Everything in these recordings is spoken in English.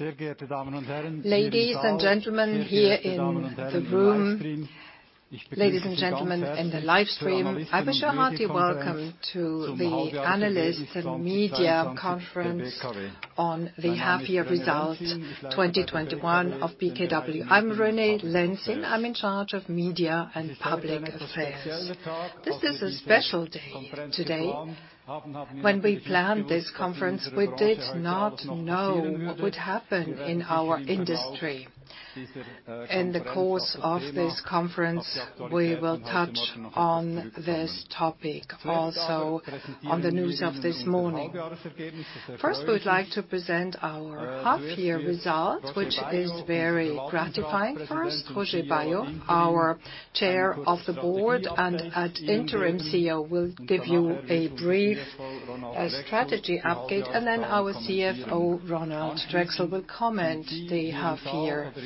Ladies and gentlemen here in the room, ladies and gentlemen in the live stream, I wish a hearty welcome to the Analyst and Media Conference on the half-year results 2021 of BKW. I'm René Lenzin. I'm in charge of Media and Public Affairs. This is a special day today. When we planned this conference, we did not know what would happen in our industry. In the course of this conference, we will touch on this topic, also on the news of this morning. First, we would like to present our half-year results, which is very gratifying for us. Roger Baillod, our Chair of the Board and interim CEO, will give you a brief strategy update, and then our CFO, Ronald Trächsel, will comment the half-year figures.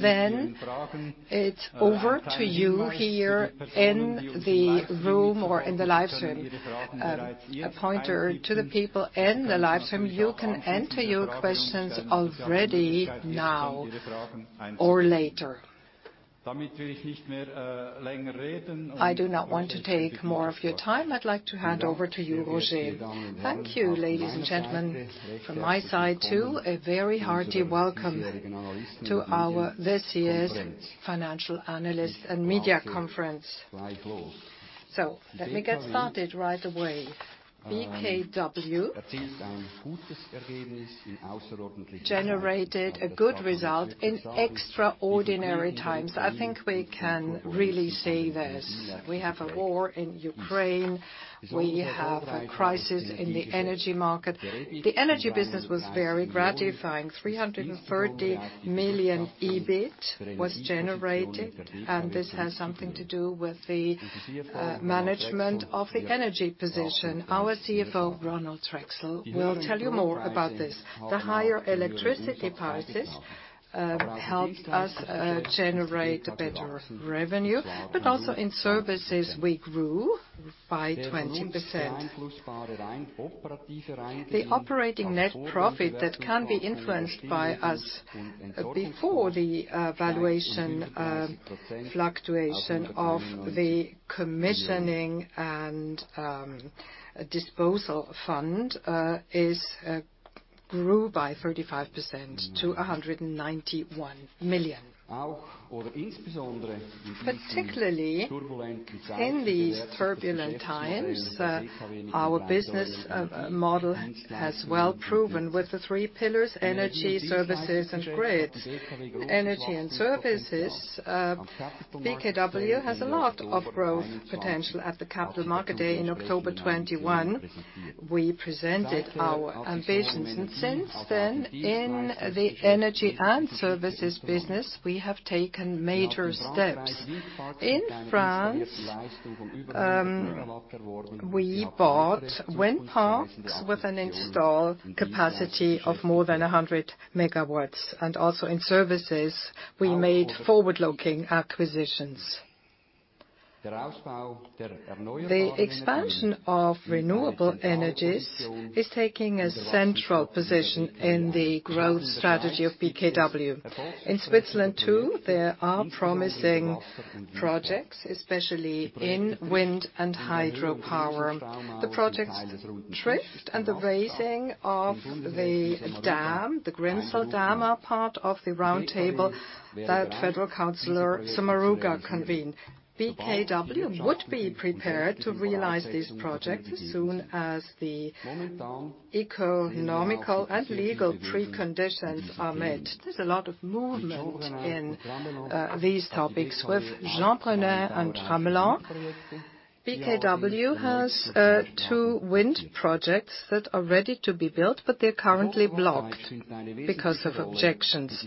Then it's over to you here in the room or in the live stream. A pointer to the people in the live stream, you can enter your questions already now or later. I do not want to take more of your time. I'd like to hand over to you, Roger. Thank you, ladies and gentlemen. From my side, too, a very hearty welcome to our this year's Financial Analyst and Media Conference. Let me get started right away. BKW generated a good result in extraordinary times. I think we can really say this. We have a war in Ukraine. We have a crisis in the energy market. The energy business was very gratifying. 330 million EBIT was generated, and this has something to do with the management of the energy position. Our CFO, Ronald Trächsel, will tell you more about this. The higher electricity prices helped us generate a better revenue, but also in services, we grew by 20%. The operating net profit that can be influenced by us before the valuation fluctuation of the commissioning and disposal fund grew by 35% to 191 million. Particularly in these turbulent times, our business model has well proven with the three pillars, energy, services, and grids. Energy and services, BKW has a lot of growth potential. At the Capital Markets Day in October 2021, we presented our ambitions, and since then, in the energy and services business, we have taken major steps. In France, we bought wind parks with an installed capacity of more than 100 MW, and also in services, we made forward-looking acquisitions. The expansion of renewable energies is taking a central position in the growth strategy of BKW. In Switzerland, too, there are promising projects, especially in wind and hydropower. The projects Trift and the raising of the dam, the Grimsel dam, are part of the roundtable that Federal Councilor Sommaruga convened. BKW would be prepared to realize these projects as soon as the economic and legal preconditions are met. There's a lot of movement in these topics. With Jeanbrenin and Tramelan, BKW has two wind projects that are ready to be built, but they're currently blocked because of objections.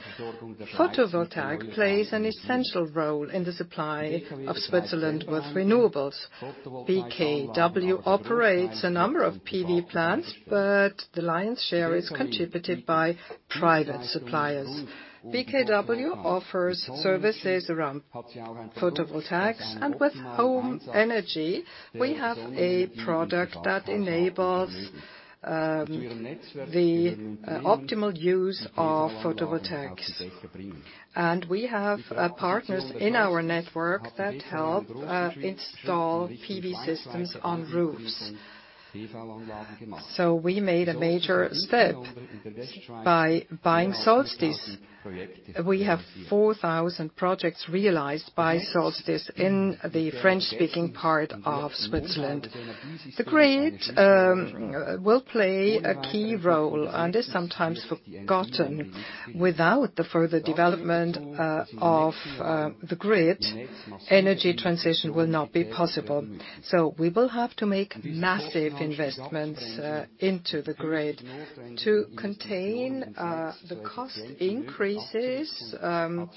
Photovoltaics plays an essential role in the supply of Switzerland with renewables. BKW operates a number of PV plants, but the lion's share is contributed by private suppliers. BKW offers services around photovoltaics, and with Home Energy, we have a product that enables the optimal use of photovoltaics. We have partners in our network that help install PV systems on roofs. We made a major step by buying Solstis. We have 4,000 projects realized by Solstis in the French-speaking part of Switzerland. The grid will play a key role, and is sometimes forgotten. Without the further development of the grid, energy transition will not be possible. We will have to make massive investments into the grid. To contain the cost increases and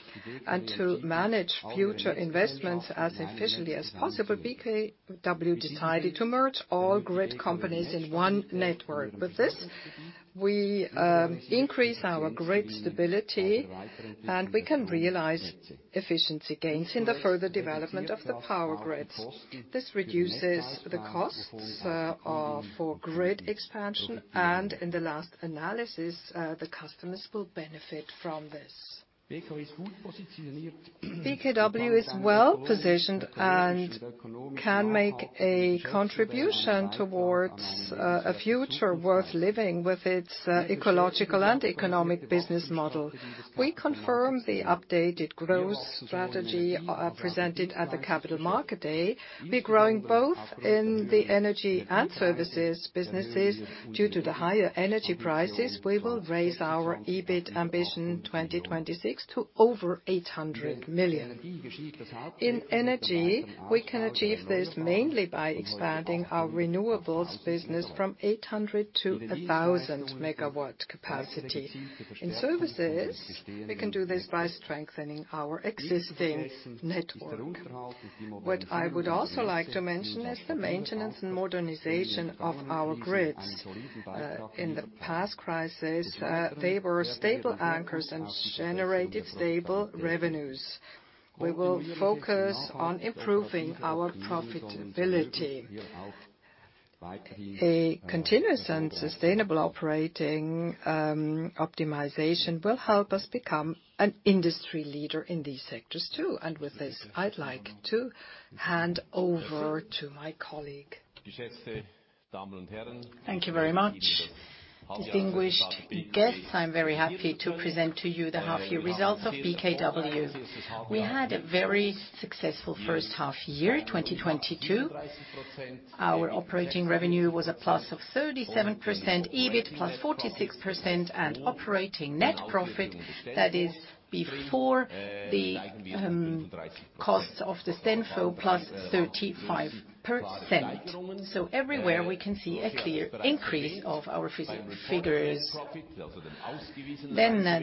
to manage future investments as efficiently as possible, BKW decided to merge all grid companies in one network. With this, we increase our grid stability and we can realize efficiency gains in the further development of the power grids. This reduces the costs for grid expansion and in the last analysis, the customers will benefit from this. BKW is well-positioned and can make a contribution towards a future worth living with its ecological and economic business model. We confirm the updated growth strategy presented at the Capital Markets Day. We're growing both in the energy and services businesses. Due to the higher energy prices, we will raise our EBIT ambition 2026 to over 800 million. In energy, we can achieve this mainly by expanding our renewables business from 800 to 1,000 MW capacity. In services, we can do this by strengthening our existing network. What I would also like to mention is the maintenance and modernization of our grids. In the past crisis, they were stable anchors and generated stable revenues. We will focus on improving our profitability. A continuous and sustainable operating optimization will help us become an industry leader in these sectors too. With this, I'd like to hand over to my colleague. Thank you very much. Distinguished guests, I'm very happy to present to you the half-year results of BKW. We had a very successful first half year, 2022. Our operating revenue was a plus of 37%, EBIT +46%, and operating net profit, that is before the costs of the STENFO, plus 35%. Everywhere we can see a clear increase of our figures.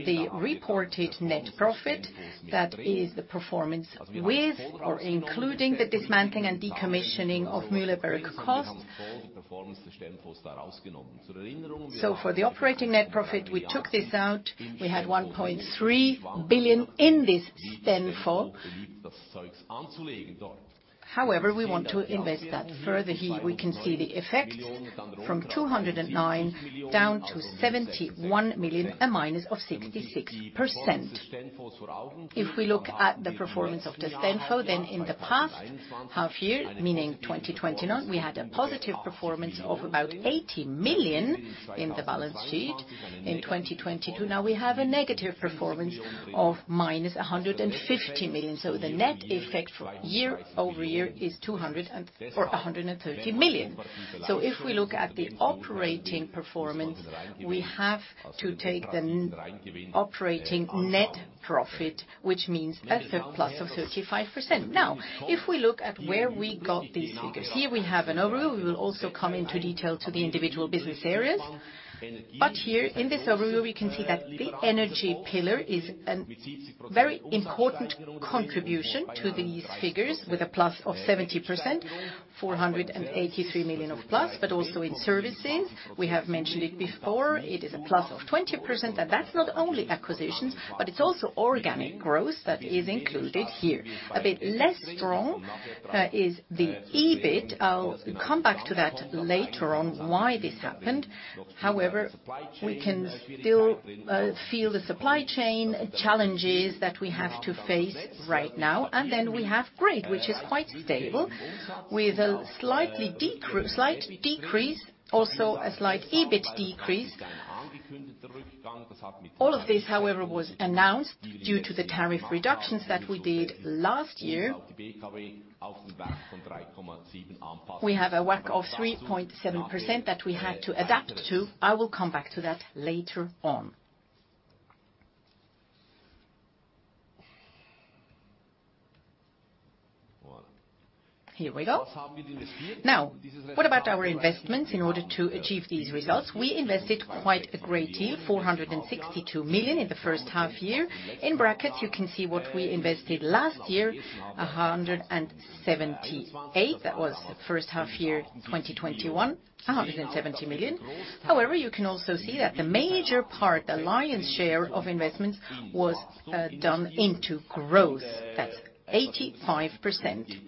The reported net profit, that is the performance with or including the dismantling and decommissioning of Mühleberg costs. For the operating net profit, we took this out. We had 1.3 billion in this STENFO. However, we want to invest that further. Here we can see the effect from 209 million down to 71 million, a -66%. If we look at the performance of the STENFO, then in the past half year, meaning 2023, we had a positive performance of about 80 million in the balance sheet. In 2022, now we have a negative performance of -150 million. The net effect year-over-year is 230 or 130 million. If we look at the operating performance, we have to take the operating net profit, which means a plus of 35%. If we look at where we got these figures, here we have an overview. We will also come into detail to the individual business areas. Here in this overview, we can see that the energy pillar is a very important contribution to these figures with a +70%, 483 million+. Also in services, we have mentioned it before, it is a +20%. That's not only acquisitions, but it's also organic growth that is included here. A bit less strong is the EBIT. I'll come back to that later on, why this happened. However, we can still feel the supply chain challenges that we have to face right now. Then we have grid, which is quite stable with a slight decrease, also a slight EBIT decrease. All of this, however, was announced due to the tariff reductions that we did last year. We have a WACC of 3.7% that we had to adapt to. I will come back to that later on. Here we go. Now, what about our investments in order to achieve these results? We invested quite a great deal, 462 million in the first half year. In brackets, you can see what we invested last year, 178 million. That was the first half year, 2021, 170 million. However, you can also see that the major part, the lion's share of investments was done into growth. That's 85%.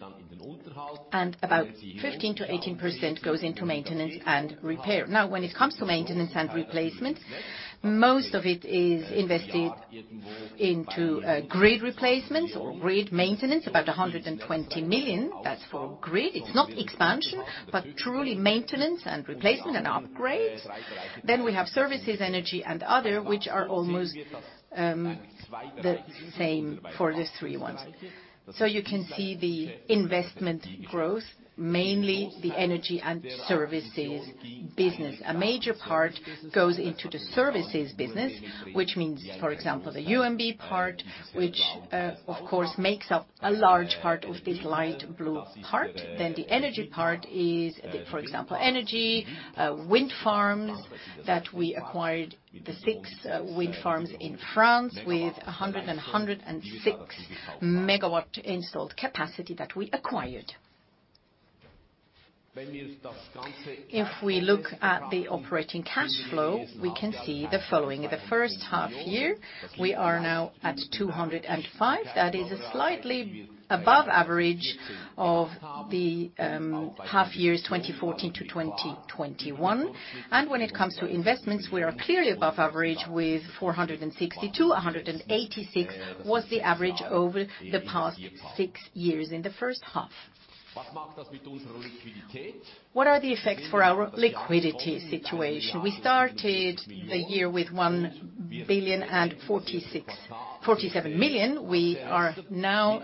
About 15%-18% goes into maintenance and repair. When it comes to maintenance and replacements, most of it is invested into grid replacements or grid maintenance, about 120 million. That's for grid. It's not expansion, but truly maintenance and replacement and upgrades. Then we have services, energy, and other, which are almost the same for these three ones. You can see the investment growth, mainly the energy and services business. A major part goes into the services business, which means, for example, the UMB part, which, of course, makes up a large part of this light blue part. The energy part is, for example, energy, wind farms that we acquired, the six wind farms in France with 106 MW installed capacity that we acquired. If we look at the operating cash flow, we can see the following. The first half year, we are now at 205. That is slightly above average of the half years 2014 to 2021. When it comes to investments, we are clearly above average with 460 to 186, was the average over the past six years in the first half. What are the effects for our liquidity situation? We started the year with 1.046 billion. 47 million. We are now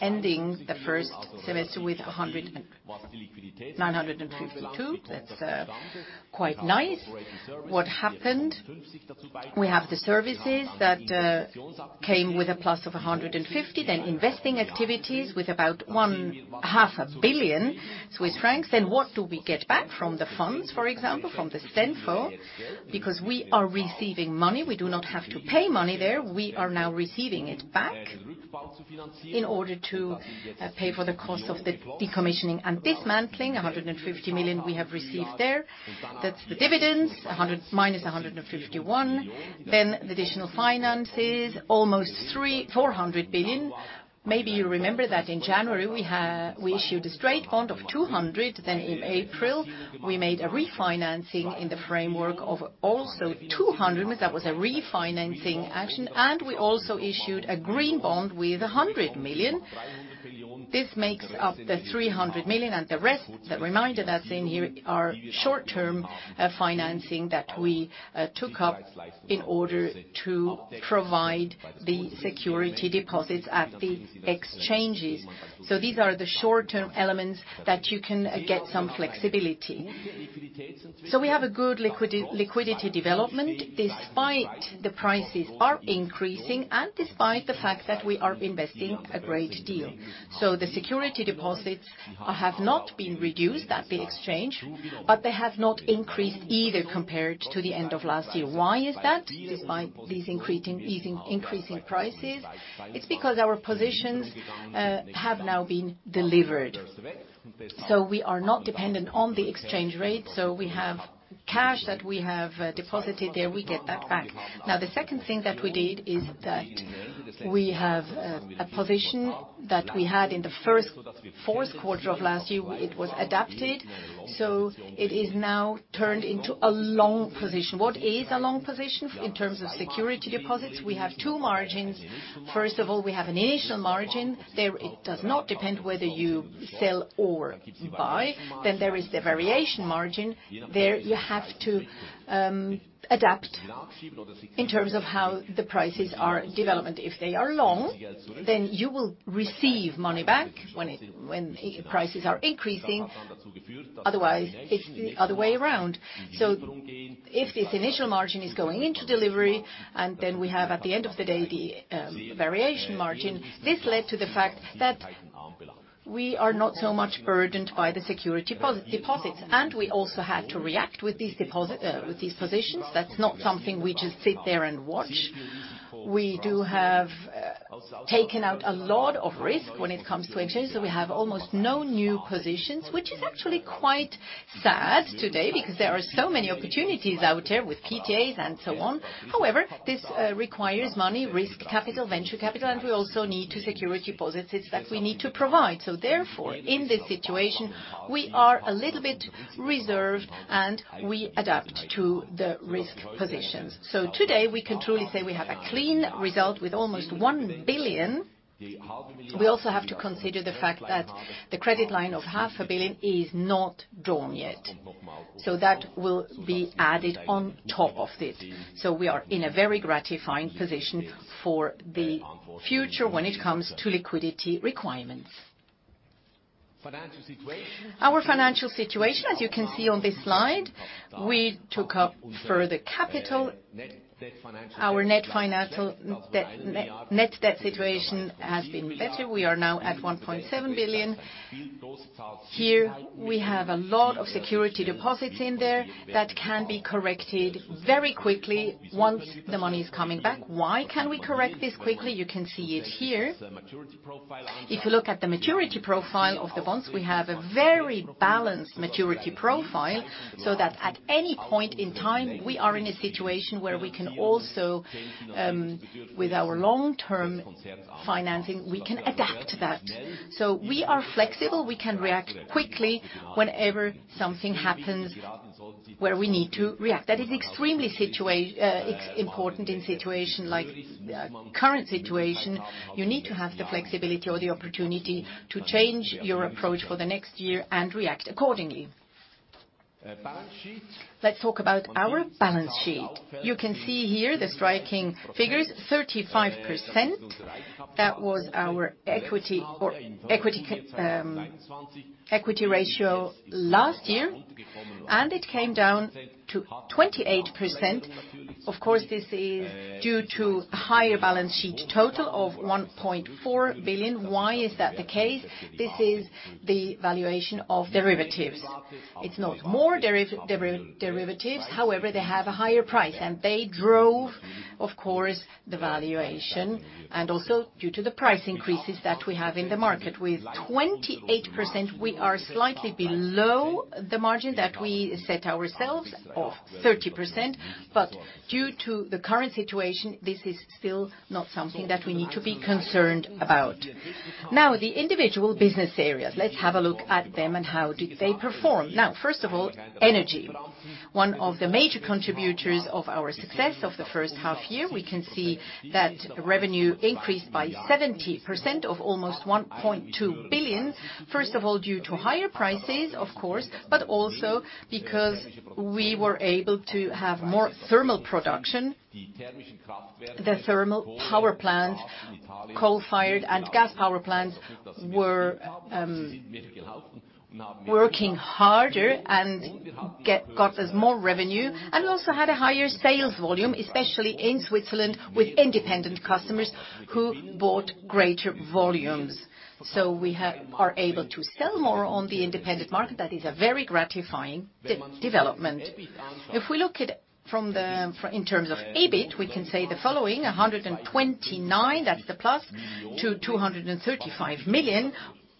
ending the first semester with 952. That's quite nice. What happened? We have the services that came with a +150, then investing activities with about half a billion CHF. Then what do we get back from the funds, for example, from the STENFO? Because we are receiving money, we do not have to pay money there. We are now receiving it back in order to pay for the cost of the decommissioning and dismantling. 150 million we have received there. That's the dividends, -151. Then the additional finances, almost 400 billion. Maybe you remember that in January, we issued a straight bond of 200. In April, we made a refinancing in the framework of also 200. That was a refinancing action. We also issued a green bond with 100 million. This makes up the 300 million, and the rest, the remainder that's in here, are short-term financing that we took up in order to provide the security deposits at the exchanges. These are the short-term elements that you can get some flexibility. We have a good liquidity development despite the prices are increasing and despite the fact that we are investing a great deal. The security deposits have not been reduced at the exchange, but they have not increased either compared to the end of last year. Why is that, despite these increasing prices? It's because our positions have now been delivered. We are not dependent on the exchange rate, so we have cash that we have deposited there. We get that back. Now, the second thing that we did is that we have a position that we had in the Q4 of last year, it was adapted, so it is now turned into a long position. What is a long position in terms of security deposits? We have two margins. First of all, we have an initial margin. There, it does not depend whether you sell or you buy. Then there is the variation margin. There, you have to adapt in terms of how the prices are developing. If they are long, then you will receive money back when prices are increasing. Otherwise, it's the other way around. If this initial margin is going into delivery, and then we have, at the end of the day, the variation margin, this led to the fact that we are not so much burdened by the security deposits, and we also had to react with these deposits with these positions. That's not something we just sit there and watch. We do have taken out a lot of risk when it comes to exchanges, so we have almost no new positions, which is actually quite sad today because there are so many opportunities out there with PPAs and so on. However, this requires money, risk capital, venture capital, and we also need to provide security deposits that we need to provide. Therefore, in this situation, we are a little bit reserved, and we adapt to the risk positions. Today, we can truly say we have a clean result with almost 1 billion. We also have to consider the fact that the credit line of half a billion CHF is not drawn yet. That will be added on top of this. We are in a very gratifying position for the future when it comes to liquidity requirements. Our financial situation, as you can see on this slide, we took up further capital. Our net financial debt situation has been better. We are now at 1.7 billion. Here, we have a lot of security deposits in there that can be corrected very quickly once the money is coming back. Why can we correct this quickly? You can see it here. If you look at the maturity profile of the bonds, we have a very balanced maturity profile, so that at any point in time, we are in a situation where we can also with our long-term financing, we can adapt that. We are flexible, we can react quickly whenever something happens where we need to react. That is extremely important in situation like current situation. You need to have the flexibility or the opportunity to change your approach for the next year and react accordingly. Let's talk about our balance sheet. You can see here the striking figures, 35%. That was our equity ratio last year, and it came down to 28%. Of course, this is due to higher balance sheet total of 1.4 billion. Why is that the case? This is the valuation of derivatives. It's not more derivatives, however, they have a higher price, and they drove, of course, the valuation, and also due to the price increases that we have in the market. With 28%, we are slightly below the margin that we set ourselves of 30%, but due to the current situation, this is still not something that we need to be concerned about. Now, the individual business areas, let's have a look at them and how did they perform. Now, first of all, energy. One of the major contributors of our success of the first half year, we can see that revenue increased by 70% to almost 1.2 billion. First of all, due to higher prices, of course, but also because we were able to have more thermal production. The thermal power plants, coal-fired and gas power plants were working harder and get. Got us more revenue. We also had a higher sales volume, especially in Switzerland, with independent customers who bought greater volumes. We are able to sell more on the independent market. That is a very gratifying development. If we look at it from in terms of EBIT, we can say the following. 129, that's the plus, to 235 million.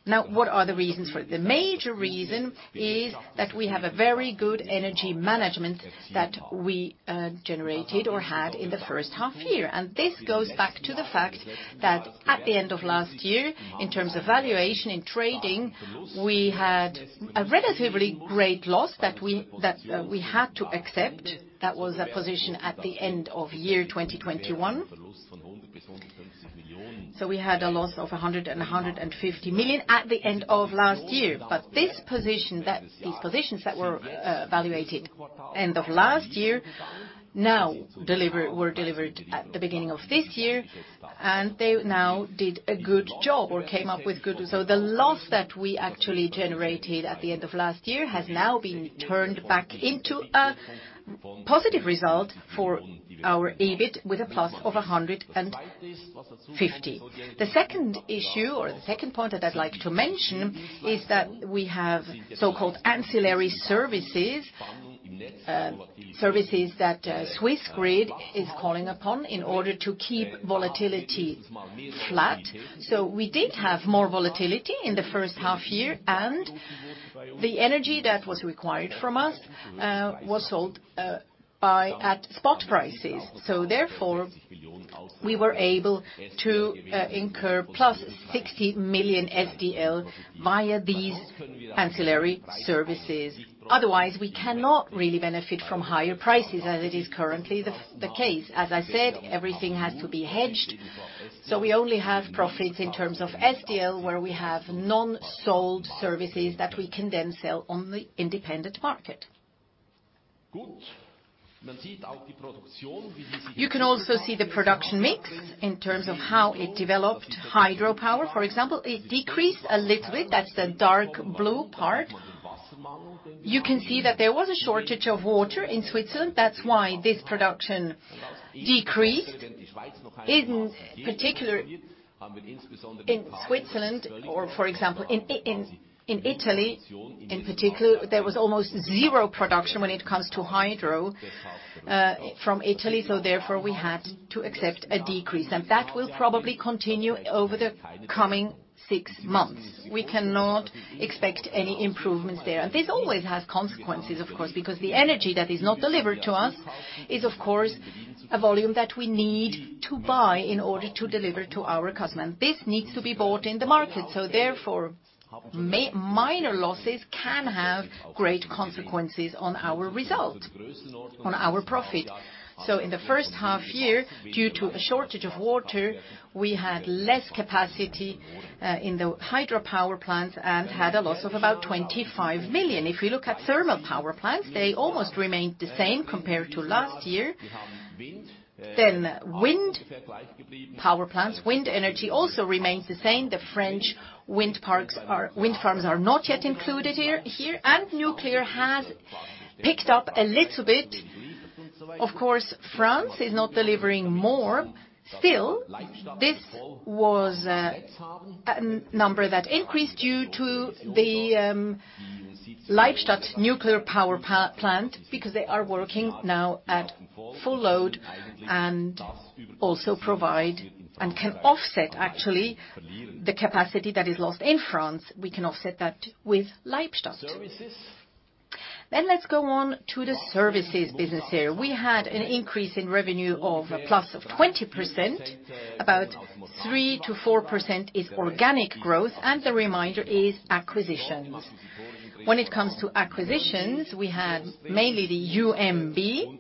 Now, what are the reasons for it? The major reason is that we have a very good energy management that we generated or had in the first half year. This goes back to the fact that at the end of last year, in terms of valuation in trading, we had a relatively great loss that we had to accept. That was a position at the end of year 2021. We had a loss of 150 million at the end of last year. These positions that were valuated at the end of last year were delivered at the beginning of this year, and they now did a good job or came up with good. The loss that we actually generated at the end of last year has now been turned back into a positive result for our EBIT with a +150 million. The second issue or the second point that I'd like to mention is that we have so-called ancillary services. Services that Swissgrid is calling upon in order to keep volatility flat. We did have more volatility in the first half year, and the energy that was required from us was sold by us at spot prices. Therefore, we were able to incur +60 million via these ancillary services. Otherwise, we cannot really benefit from higher prices as it is currently the case. As I said, everything has to be hedged, so we only have profits in terms of SDL where we have non-sold services that we can then sell on the independent market. You can also see the production mix in terms of how it developed. Hydropower, for example, it decreased a little bit. That's the dark blue part. You can see that there was a shortage of water in Switzerland. That's why this production decreased. In particular, in Switzerland or, for example, in Italy, in particular, there was almost zero production when it comes to hydro from Italy, so therefore we had to accept a decrease. That will probably continue over the coming six months. We cannot expect any improvements there. This always has consequences, of course, because the energy that is not delivered to us is, of course, a volume that we need to buy in order to deliver to our customer. This needs to be bought in the market. Therefore, minor losses can have great consequences on our results, on our profit. In the first half year, due to a shortage of water, we had less capacity in the hydropower plants and had a loss of about 25 million. If we look at thermal power plants, they almost remained the same compared to last year. Wind power plants. Wind energy also remains the same. The French wind farms are not yet included here. Nuclear has picked up a little bit. Of course, France is not delivering more. Still, this was a number that increased due to the Leibstadt nuclear power plant because they are working now at full load and also provide and can offset actually the capacity that is lost in France. We can offset that with Leibstadt. Let's go on to the services business here. We had an increase in revenue of a +20%. About 3%-4% is organic growth, and the remainder is acquisitions. When it comes to acquisitions, we have mainly the UMB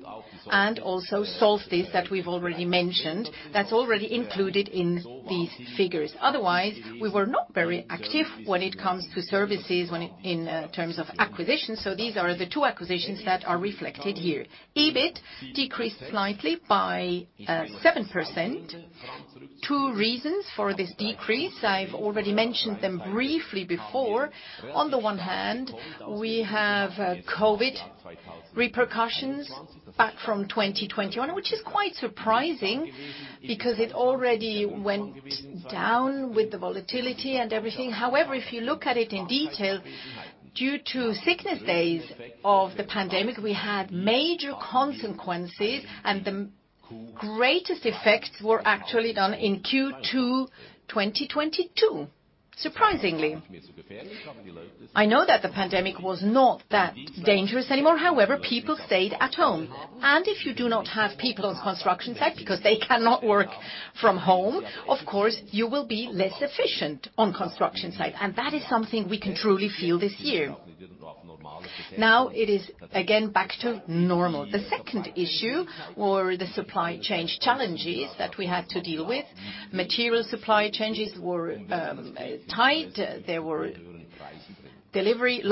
and also Solstis that we've already mentioned. That's already included in these figures. Otherwise, we were not very active when it comes to services in terms of acquisitions. These are the two acquisitions that are reflected here. EBIT decreased slightly by 7%. Two reasons for this decrease, I've already mentioned them briefly before. On the one hand, we have COVID repercussions back from 2021, which is quite surprising because it already went down with the volatility and everything. However, if you look at it in detail, due to sickness days of the pandemic, we had major consequences, and the greatest effects were actually done in Q2 2022, surprisingly. I know that the pandemic was not that dangerous anymore. However, people stayed at home. If you do not have people on construction site because they cannot work from home, of course, you will be less efficient on construction site, and that is something we can truly feel this year. Now it is again back to normal. The second issue were the supply chain challenges that we had to deal with. Material supply chains were tight. There were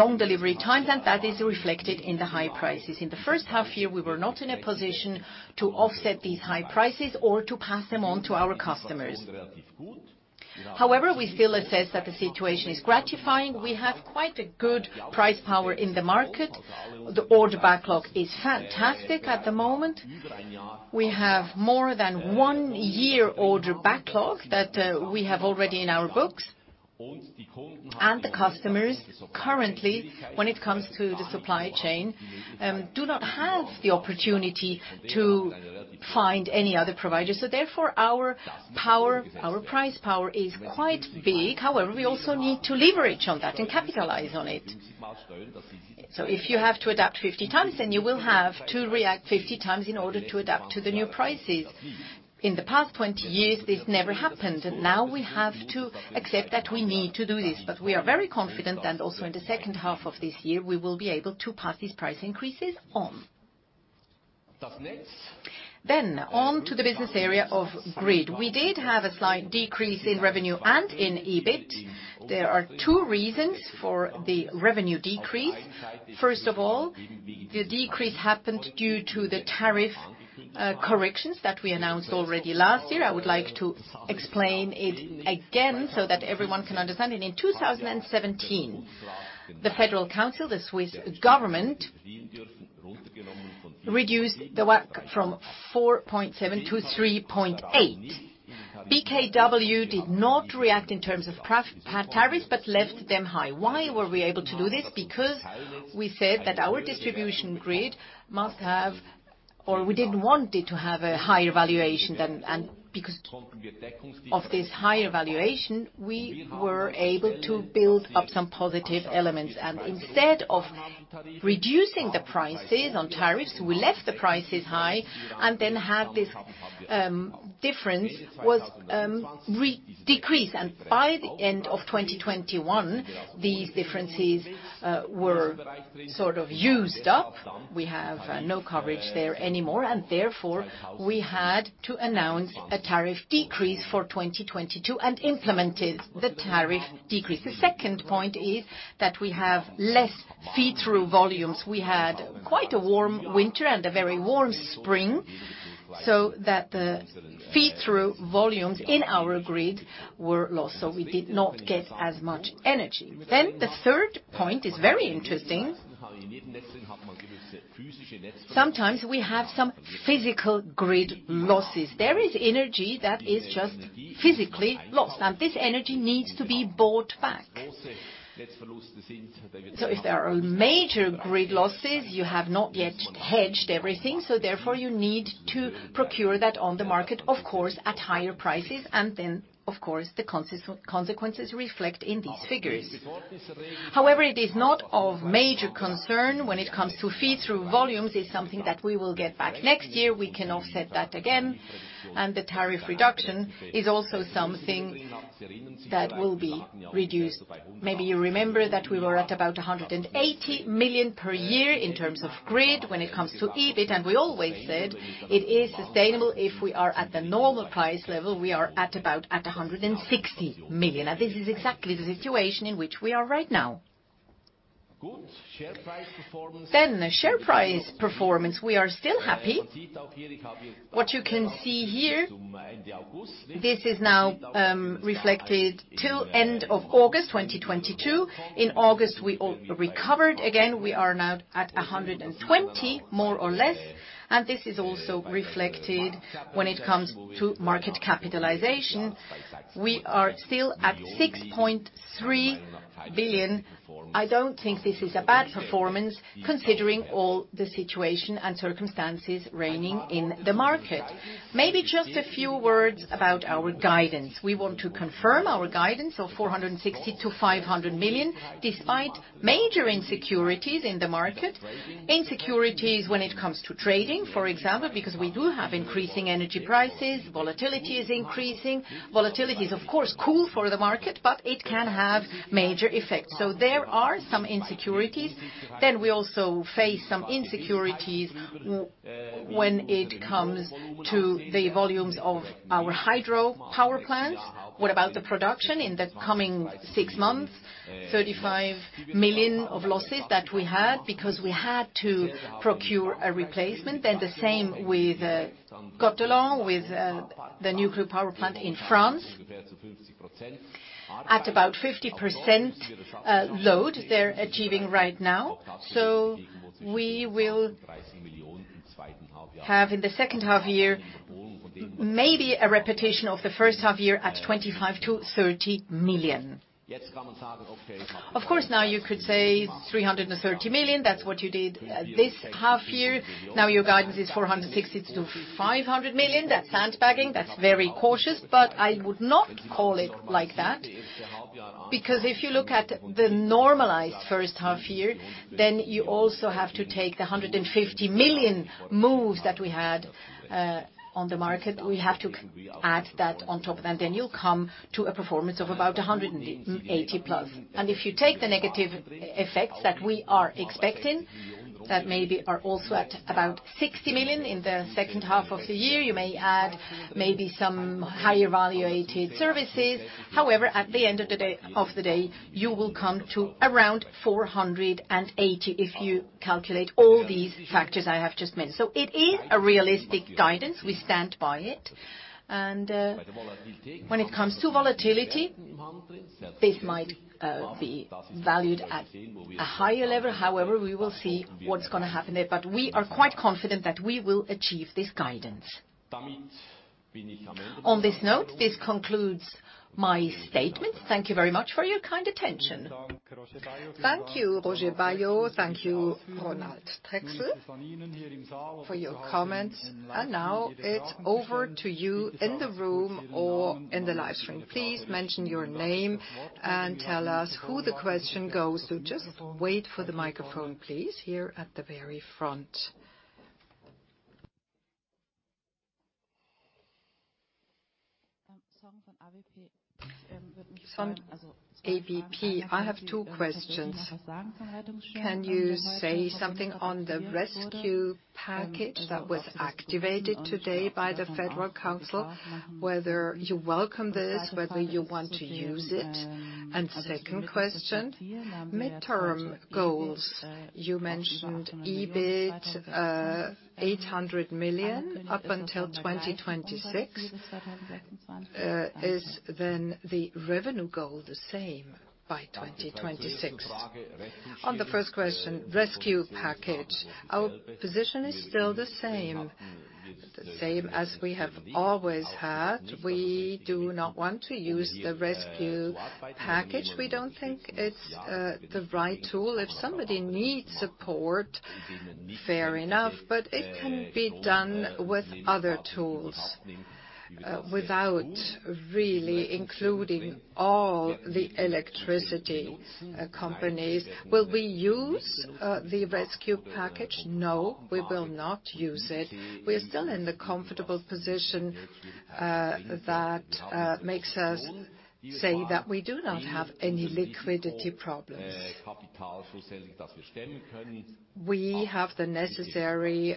long delivery times, and that is reflected in the high prices. In the first half year, we were not in a position to offset these high prices or to pass them on to our customers. However, we still assess that the situation is gratifying. We have quite a good pricing power in the market. The order backlog is fantastic at the moment. We have more than one year order backlog that we have already in our books. The customers currently, when it comes to the supply chain, do not have the opportunity to find any other provider. Therefore, our power, our pricing power is quite big. However, we also need to leverage on that and capitalize on it. If you have to adapt 50x, then you will have to react 50x in order to adapt to the new prices. In the past 20 years, this never happened, and now we have to accept that we need to do this. We are very confident that also in the second half of this year, we will be able to pass these price increases on. On to the business area of grid. We did have a slight decrease in revenue and in EBIT. There are two reasons for the revenue decrease. First of all, the decrease happened due to the tariff corrections that we announced already last year. I would like to explain it again so that everyone can understand it. In 2017, the Federal Council, the Swiss government, reduced the WACC from 4.7 to 3.8. BKW did not react in terms of grid tariffs, but left them high. Why were we able to do this? Because we said that our distribution grid must have, or we didn't want it to have a higher valuation than. Because of this higher valuation, we were able to build up some positive elements. Instead of reducing the prices on tariffs, we left the prices high and then had this difference was re-decreased. By the end of 2021, these differences were sort of used up. We have no coverage there anymore and therefore we had to announce a tariff decrease for 2022 and implemented the tariff decrease. The second point is that we have less feed-through volumes. We had quite a warm winter and a very warm spring, so that the feed-through volumes in our grid were lost, so we did not get as much energy. The third point is very interesting. Sometimes we have some physical grid losses. There is energy that is just physically lost, and this energy needs to be bought back. If there are major grid losses, you have not yet hedged everything, so therefore you need to procure that on the market, of course, at higher prices. Of course, the consequences reflect in these figures. However, it is not of major concern when it comes to feed-through volumes. It's something that we will get back next year. We can offset that again. The tariff reduction is also something that will be reduced. Maybe you remember that we were at about 180 million per year in terms of grid when it comes to EBIT, and we always said it is sustainable if we are at the normal price level. We are at about 160 million, and this is exactly the situation in which we are right now. The share price performance. We are still happy. What you can see here, this is now reflected till end of August 2022. In August, we all recovered again. We are now at 120, more or less, and this is also reflected when it comes to market capitalization. We are still at 6.3 billion. I don't think this is a bad performance considering all the situation and circumstances reigning in the market. Maybe just a few words about our guidance. We want to confirm our guidance of 460 million-500 million, despite major insecurities in the market. Insecurities when it comes to trading, for example, because we do have increasing energy prices, volatility is increasing. Volatility is, of course, cool for the market, but it can have major effects. There are some insecurities. We also face some insecurities when it comes to the volumes of our hydropower plants. What about the production in the coming six months? 35 million of losses that we had because we had to procure a replacement. The same with Cattenom, with the nuclear power plant in France. At about 50% load they're achieving right now. We will have in the second half year, maybe a repetition of the first half year at 25-30 million. Of course, now you could say 330 million, that's what you did this half year. Now your guidance is 460-500 million. That's sandbagging, that's very cautious, but I would not call it like that. Because if you look at the normalized first half year, then you also have to take the 150 million moves that we had on the market. We have to add that on top, and then you'll come to a performance of about 180+. If you take the negative effects that we are expecting, that maybe are also at about 60 million in the second half of the year, you may add maybe some higher valued services. However, at the end of the day, you will come to around 480, if you calculate all these factors I have just mentioned. It is a realistic guidance. We stand by it. When it comes to volatility, this might be valued at a higher level. However, we will see what's gonna happen there. We are quite confident that we will achieve this guidance. On this note, this concludes my statement. Thank you very much for your kind attention. Thank you, Roger Baillod. Thank you, Ronald Trächsel, for your comments. Now it's over to you in the room or in the live stream. Please mention your name and tell us who the question goes to. Just wait for the microphone, please, here at the very front. From AWP. I have two questions. Can you say something on the rescue package that was activated today by the Federal Council? Whether you welcome this, whether you want to use it. Second question, mid-term goals. You mentioned EBIT 800 million up until 2026. Is then the revenue goal the same by 2026? On the first question, rescue package. Our position is still the same, the same as we have always had. We do not want to use the rescue package. We don't think it's the right tool. If somebody needs support, fair enough, but it can be done with other tools without really including all the electricity companies. Will we use the rescue package? No, we will not use it. We're still in the comfortable position that makes us say that we do not have any liquidity problems. We have the necessary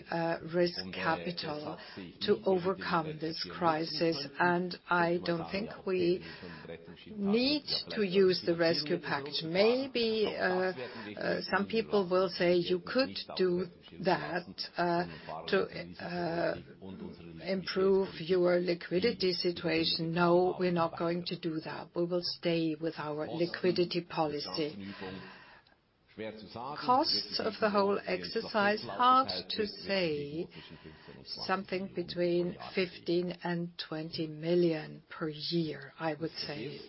risk capital to overcome this crisis, and I don't think we need to use the rescue package. Maybe some people will say, "You could do that to improve your liquidity situation." No, we're not going to do that. We will stay with our liquidity policy. Costs of the whole exercise, hard to say. Something between 15 million and 20 million per year, I would say.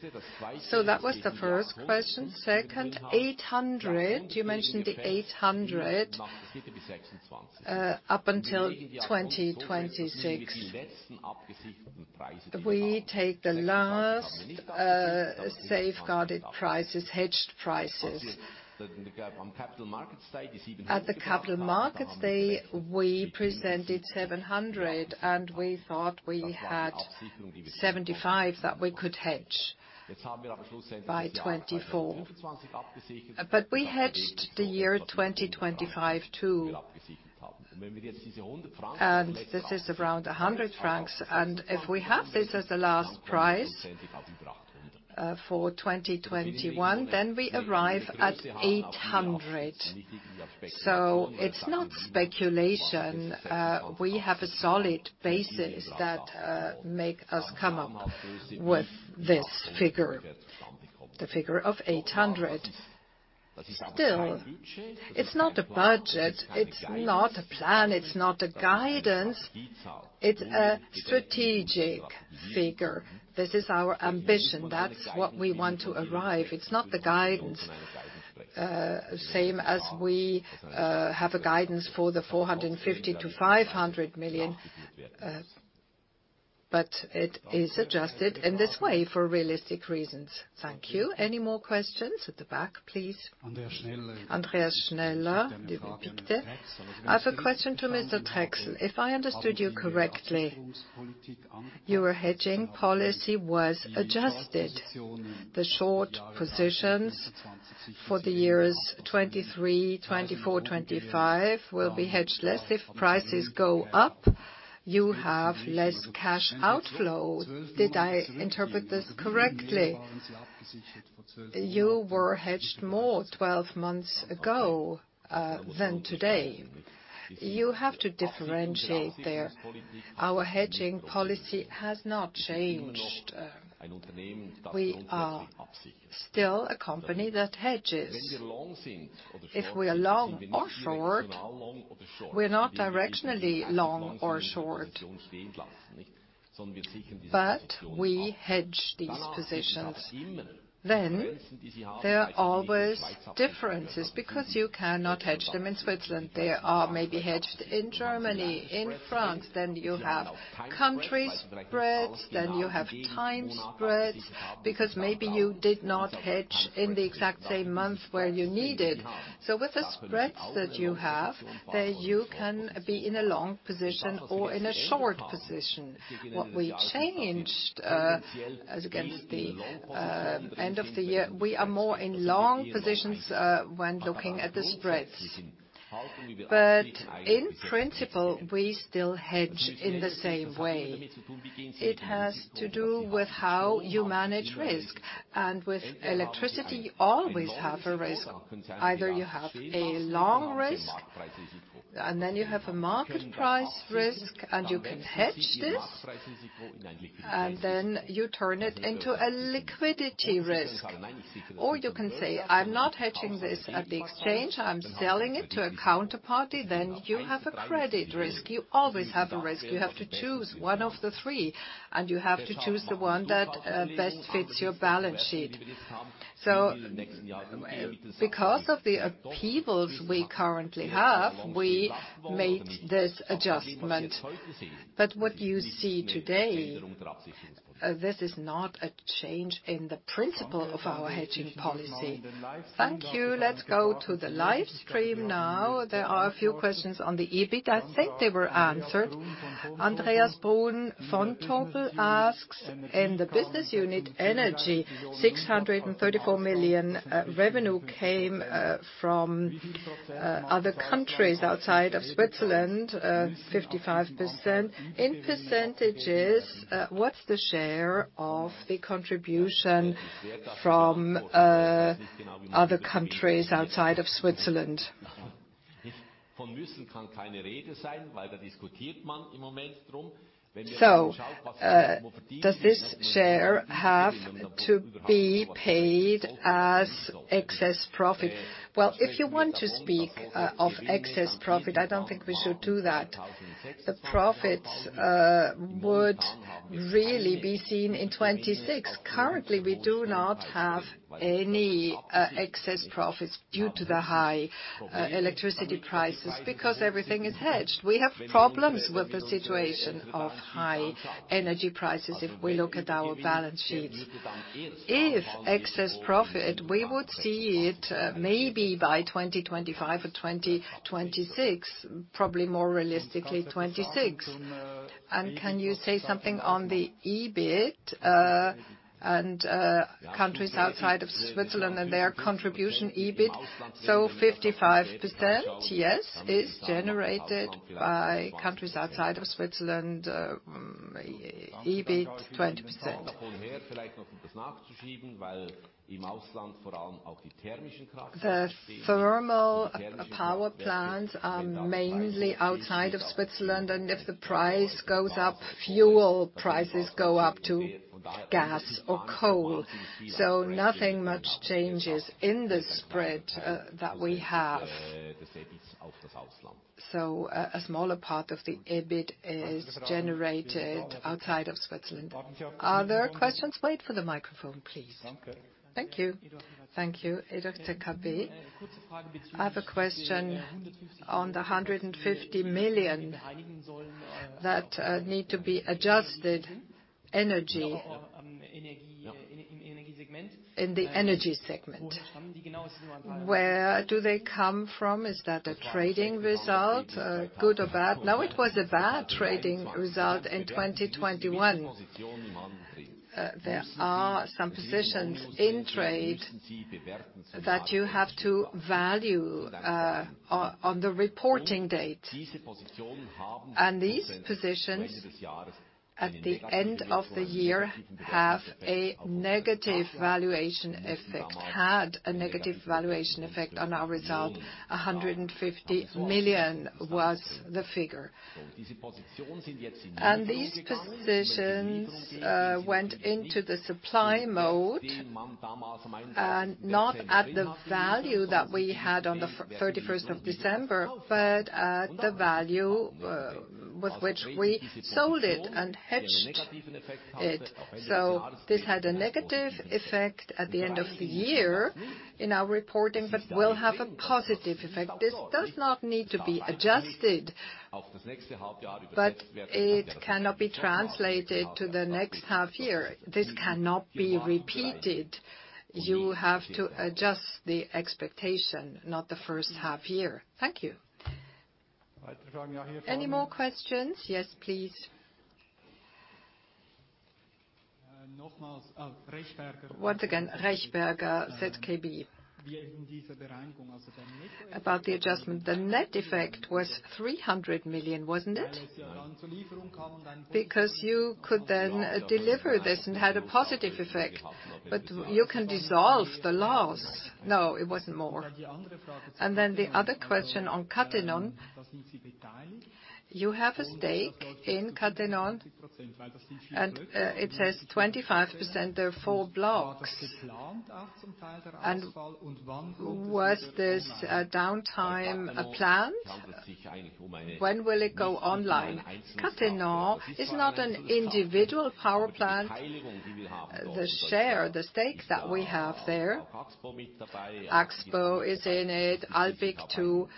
That was the first question. Second, 800. You mentioned the 800, up until 2026. We take the last, safeguarded prices, hedged prices. At the Capital Markets Day, we presented 700, and we thought we had 75 that we could hedge by 2024. We hedged the year 2025 too. This is around 100 francs. If we have this as the last price, for 2021, then we arrive at 800. It's not speculation. We have a solid basis that makes us come up with this figure, the figure of 800. Still, it's not a budget, it's not a plan, it's not a guidance, it's a strategic figure. This is our ambition. That's what we want to arrive. It's not the guidance, same as we have a guidance for the 450-500 million, but it is adjusted in this way for realistic reasons. Thank you. Any more questions? At the back, please. Andreas Schneller, Zürcher Kantonalbank. I have a question to Mr. Trächsel. If I understood you correctly, your hedging policy was adjusted. The short positions for the years 2023, 2024, 2025 will be hedged less. If prices go up, you have less cash outflow. Did I interpret this correctly? You were hedged more twelve months ago than today. You have to differentiate there. Our hedging policy has not changed. We are still a company that hedges. If we are long or short, we're not directionally long or short, but we hedge these positions. There are always differences because you cannot hedge them in Switzerland. They are maybe hedged in Germany, in France, then you have country spreads, then you have time spreads, because maybe you did not hedge in the exact same month where you need it. With the spreads that you have, there you can be in a long position or in a short position. What we changed as against the end of the year, we are more in long positions when looking at the spreads. In principle, we still hedge in the same way. It has to do with how you manage risk, and with electricity, you always have a risk. Either you have a long risk, and then you have a market price risk, and you can hedge this, and then you turn it into a liquidity risk. You can say, "I'm not hedging this at the exchange. I'm selling it to a counterparty." You have a credit risk. You always have a risk. You have to choose one of the three, and you have to choose the one that best fits your balance sheet. Because of the upheavals we currently have, we made this adjustment. What you see today, this is not a change in the principle of our hedging policy. Thank you. Let's go to the live stream now. There are a few questions on the EBIT. I think they were answered. Andreas Brun, Vontobel asks, "In the business unit energy, 634 million revenue came from other countries outside of Switzerland, 55%. In percentages, what's the share of the contribution from other countries outside of Switzerland? So, does this share have to be paid as excess profit?" Well, if you want to speak of excess profit, I don't think we should do that. The profits would really be seen in 2026. Currently, we do not have any excess profits due to the high electricity prices because everything is hedged. We have problems with the situation of high energy prices if we look at our balance sheets. If excess profit, we would see it maybe by 2025 or 2026, probably more realistically 2026. Can you say something on the EBIT, and countries outside of Switzerland and their contribution EBIT? So 55%, yes, is generated by countries outside of Switzerland, EBIT 20%. The thermal power plants are mainly outside of Switzerland, and if the price goes up, fuel prices go up too, gas or coal. So nothing much changes in the spread that we have. So a smaller part of the EBIT is generated outside of Switzerland. Are there questions? Wait for the microphone, please. Thank you. Thank you. Ingo Becker. I have a question on the 150 million that need to be adjusted in the energy segment. Where do they come from? Is that a trading result, good or bad? No, it was a bad trading result in 2021. There are some positions in trade that you have to value on the reporting date. These positions at the end of the year have a negative valuation effect, had a negative valuation effect on our result. 150 million was the figure. These positions went into the supply mode not at the value that we had on December 31, but at the value with which we sold it and hedged it. This had a negative effect at the end of the year in our reporting but will have a positive effect. This does not need to be adjusted, but it cannot be translated to the next half year. This cannot be repeated. You have to adjust the expectation, not the first half year. Thank you. Any more questions? Yes, please. Once again, Rechenberg, ZKB. About the adjustment, the net effect was 300 million, wasn't it? Because you could then deliver this and had a positive effect, but you can dissolve the loss. No, it wasn't more. Then the other question on Cattenom. You have a stake in Cattenom, and it says 25%, there are four blocks. Was this downtime planned? When will it go online? Cattenom is not an individual power plant. The share, the stakes that we have there, Axpo is in it, Alpiq too,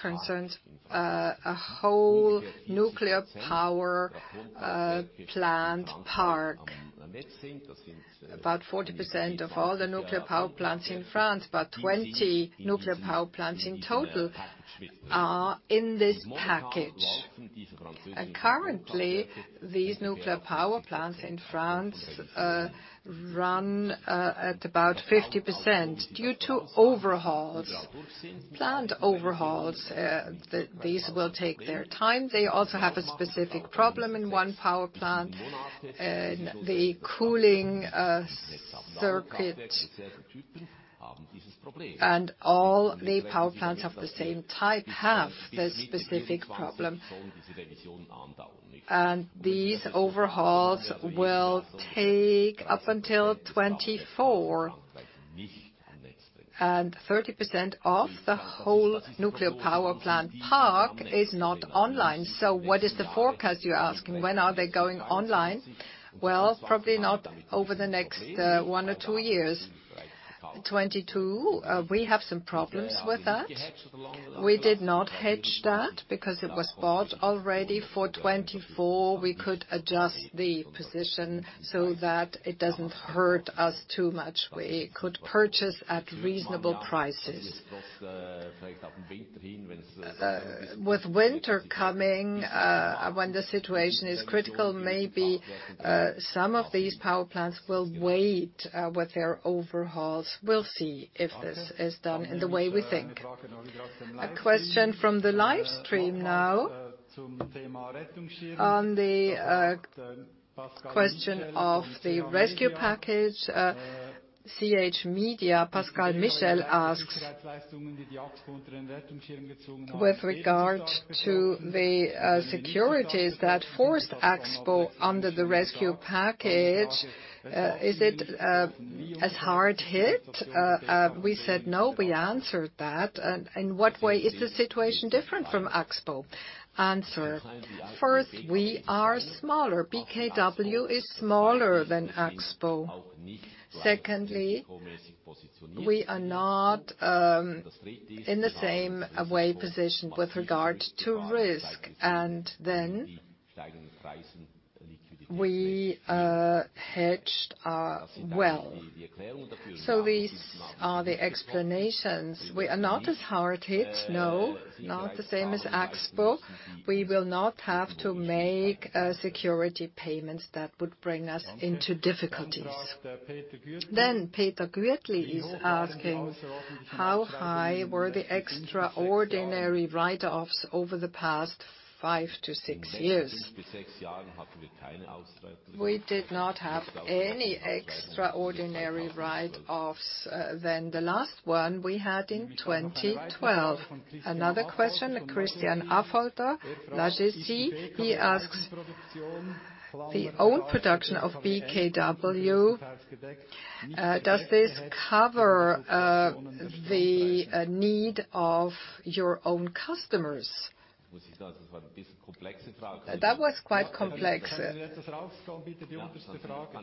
concerns a whole nuclear power plant park. About 40% of all the nuclear power plants in France, about 20 nuclear power plants in total are in this package. Currently, these nuclear power plants in France run at about 50% due to overhauls. Planned overhauls, these will take their time. They also have a specific problem in one power plant, the cooling circuit. All the power plants of the same type have this specific problem. These overhauls will take up until 2024. 30% of the whole nuclear power plant park is not online. What is the forecast, you're asking? When are they going online? Well, probably not over the next, one or two years. 2022, we have some problems with that. We did not hedge that because it was bought already. For 2024, we could adjust the position so that it doesn't hurt us too much. We could purchase at reasonable prices. With winter coming, when the situation is critical, maybe, some of these power plants will wait, with their overhauls. We'll see if this is done in the way we think. A question from the live stream now. On the question of the rescue package, CH Media, Pascal Michel asks, with regard to the securities that forced Axpo under the rescue package, is it as hard-hit? We said no, we answered that. In what way is the situation different from Axpo? Answer. First, we are smaller. BKW is smaller than Axpo. Secondly, we are not in the same way positioned with regard to risk. Then we hedged well. These are the explanations. We are not as hard-hit, no, not the same as Axpo. We will not have to make security payments that would bring us into difficulties. Peter Gürtli is asking, how high were the extraordinary write-offs over the past five to six years? We did not have any extraordinary write-offs than the last one we had in 2012. Another question, Christian Affolter, La Liberté, he asks, the own production of BKW, does this cover, the need of your own customers? That was quite complex.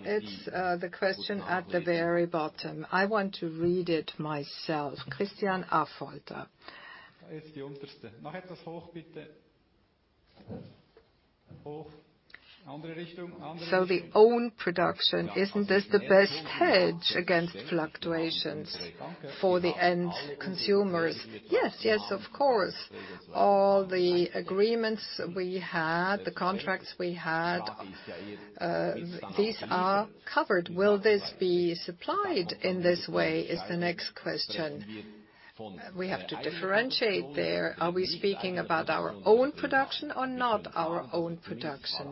It's the question at the very bottom. I want to read it myself. Christian Affolter. So, the own production, isn't this the best hedge against fluctuations for the end consumers? Yes, yes, of course. All the agreements we had, the contracts we had, these are covered. Will this be supplied in this way? Is the next question. We have to differentiate there. Are we speaking about our own production or not our own production?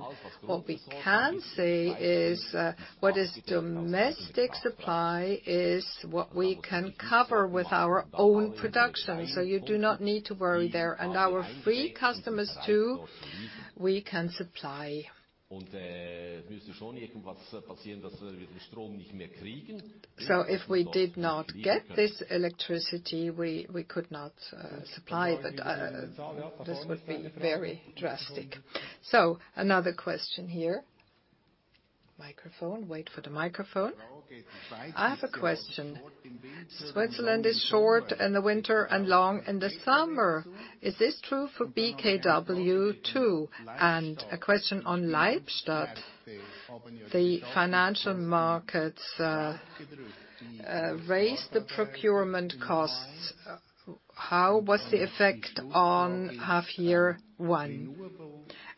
What we can say is, what is domestic supply is what we can cover with our own production. So, you do not need to worry there. Our free customers too. We can supply. If we did not get this electricity, we could not supply, but this would be very drastic. Another question here. Microphone. Wait for the microphone. I have a question. Switzerland is short in the winter and long in the summer. Is this true for BKW too? A question on Leibstadt, the financial markets raised the procurement costs. How was the effect on half year one?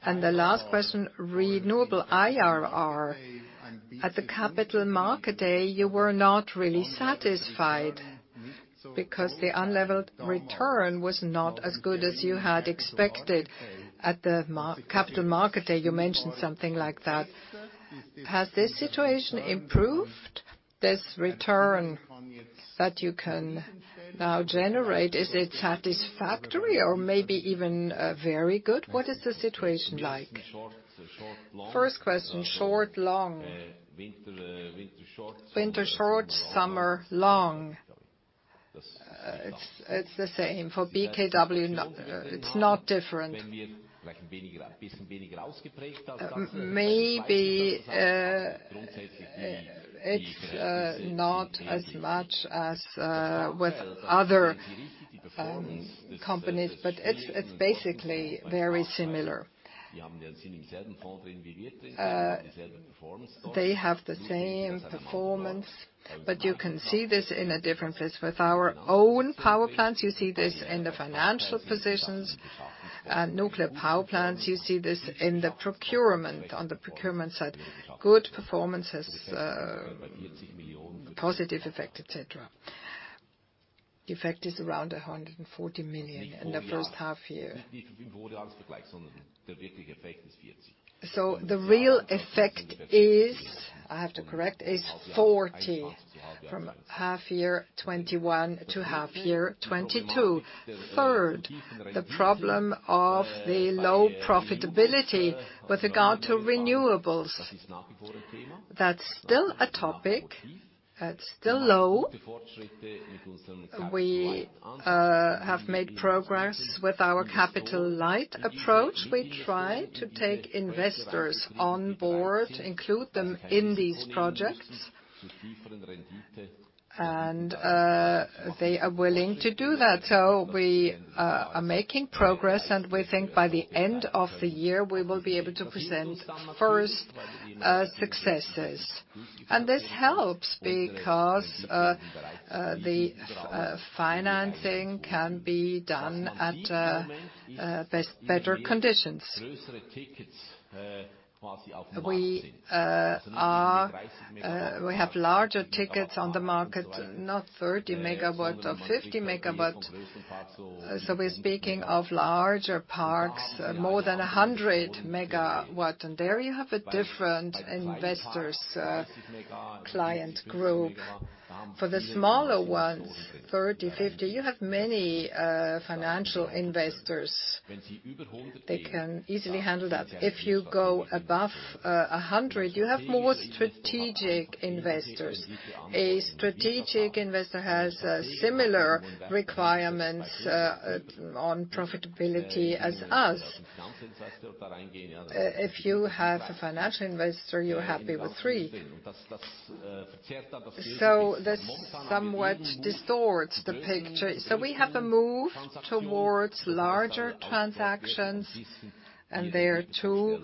The last question, renewable IRR. At the Capital Markets Day, you were not really satisfied because the unlevered return was not as good as you had expected. At the Capital Markets Day, you mentioned something like that. Has this situation improved, this return that you can now generate? Is it satisfactory or maybe even very good? What is the situation like? First question, short, long. Winter short, summer long. It's the same. For BKW, no, it's not different. Maybe it's not as much as with other companies, but it's basically very similar. They have the same performance, but you can see this in a different place. With our own power plants, you see this in the financial positions. At nuclear power plants, you see this in the procurement, on the procurement side. Good performance has positive effect, et cetera. The effect is around 140 million in the first half year. So the real effect is, I have to correct, is 40 from half year 2021 to half year 2022. Third, the problem of the low profitability with regard to renewables. That's still a topic. That's still low. We have made progress with our capital-light approach. We try to take investors on board, include them in these projects. They are willing to do that, so we are making progress, and we think by the end of the year, we will be able to present first successes. This helps because the financing can be done at better conditions. We are. We have larger tickets on the market, not 30 MW or 50 MW, so we're speaking of larger parks, more than 100 MW, and there you have a different investors' client group. For the smaller ones, 30, 50, you have many financial investors. They can easily handle that. If you go above 100, you have more strategic investors. A strategic investor has similar requirements on profitability as us. If you have a financial investor, you're happy with three. This somewhat distorts the picture. We have a move towards larger transactions, and there too,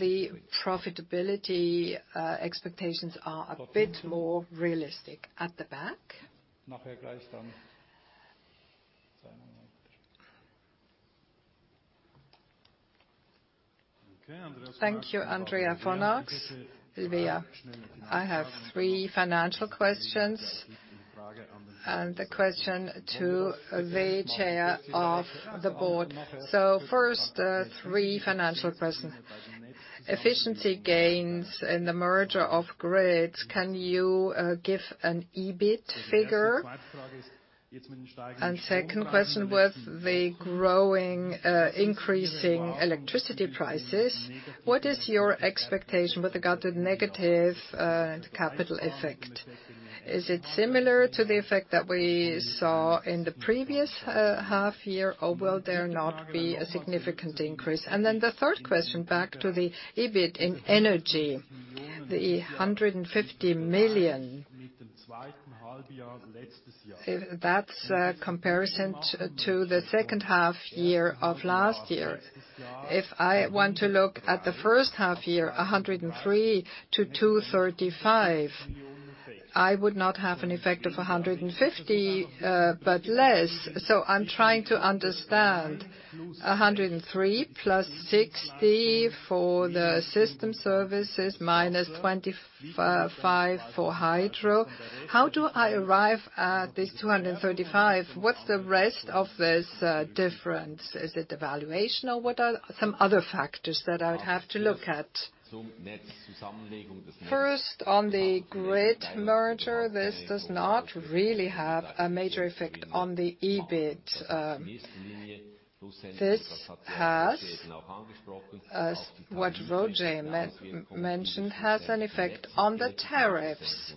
the profitability expectations are a bit more realistic. At the back. Thank you, Andreas von Arx, Baader Helvea. I have three financial questions and a question to the chair of the board. First, three financial questions. Efficiency gains in the merger of grids, can you give an EBIT figure? And second question, with the growing, increasing electricity prices, what is your expectation with regard to the negative capital effect? Is it similar to the effect that we saw in the previous half year, or will there not be a significant increase? And then the third question, back to the EBIT in energy. CHF 150 million, if that's a comparison to the second half year of last year. If I want to look at the first half year, 103 to 235, I would not have an effect of 150 million, but less. I'm trying to understand. 103 + 60 for the system services -25 for hydro. How do I arrive at this 235? What's the rest of this difference? Is it the valuation or what are some other factors that I would have to look at? First, on the grid merger, this does not really have a major effect on the EBIT. This has, as what Roger mentioned, an effect on the tariffs.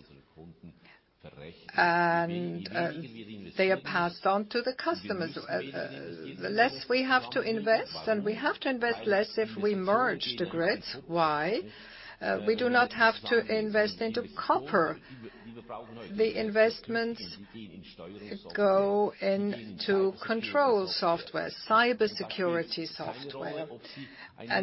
They are passed on to the customers. The less we have to invest, and we have to invest less if we merge the grids. Why? We do not have to invest into copper. The investments go into control software, cybersecurity software.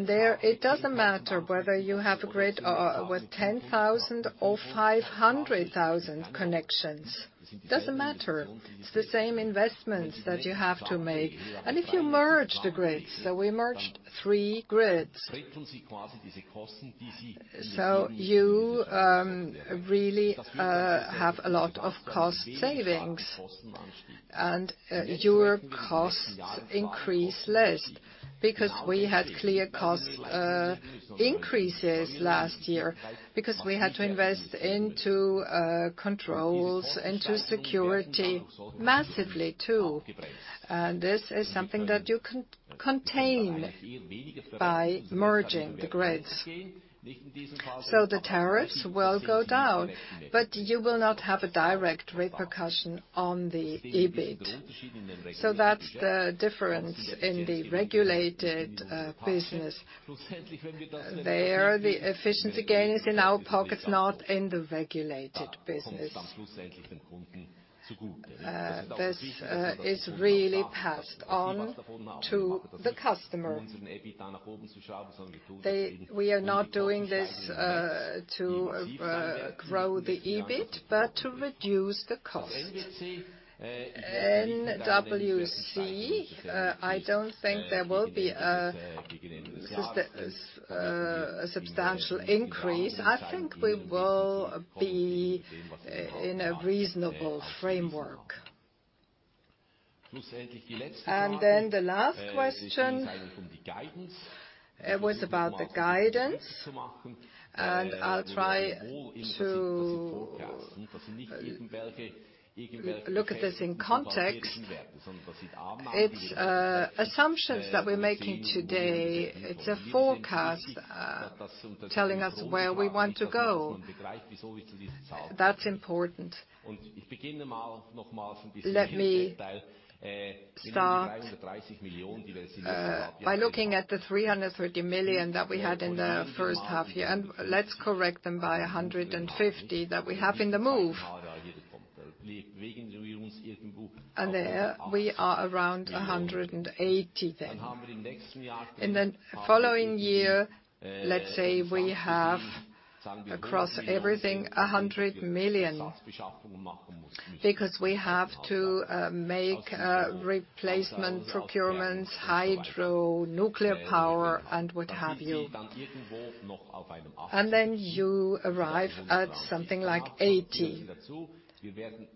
There, it doesn't matter whether you have a grid or with 10,000 or 500,000 connections. Doesn't matter. It's the same investments that you have to make. If you merge the grids, so we merged three grids. You really have a lot of cost savings. Your costs increase less. Because we had clear cost increases last year. Because we had to invest into controls, into security massively too. This is something that you contain by merging the grids. The tariffs will go down, but you will not have a direct repercussion on the EBIT. That's the difference in the regulated business. There, the efficiency gain is in our pockets, not in the regulated business. This is really passed on to the customer. We are not doing this to grow the EBIT, but to reduce the cost. NWC, I don't think there will be a substantial increase. I think we will be in a reasonable framework. The last question was about the guidance, and I'll try to look at this in context. It's assumptions that we're making today. It's a forecast telling us where we want to go. That's important. Let me start by looking at the 330 million that we had in the first half year, and let's correct them by 150 that we have in the move. There we are around 180 million then. In the following year, let's say we have across everything 100 million, because we have to make replacement procurements, hydro, nuclear power and what have you. Then you arrive at something like 80 million.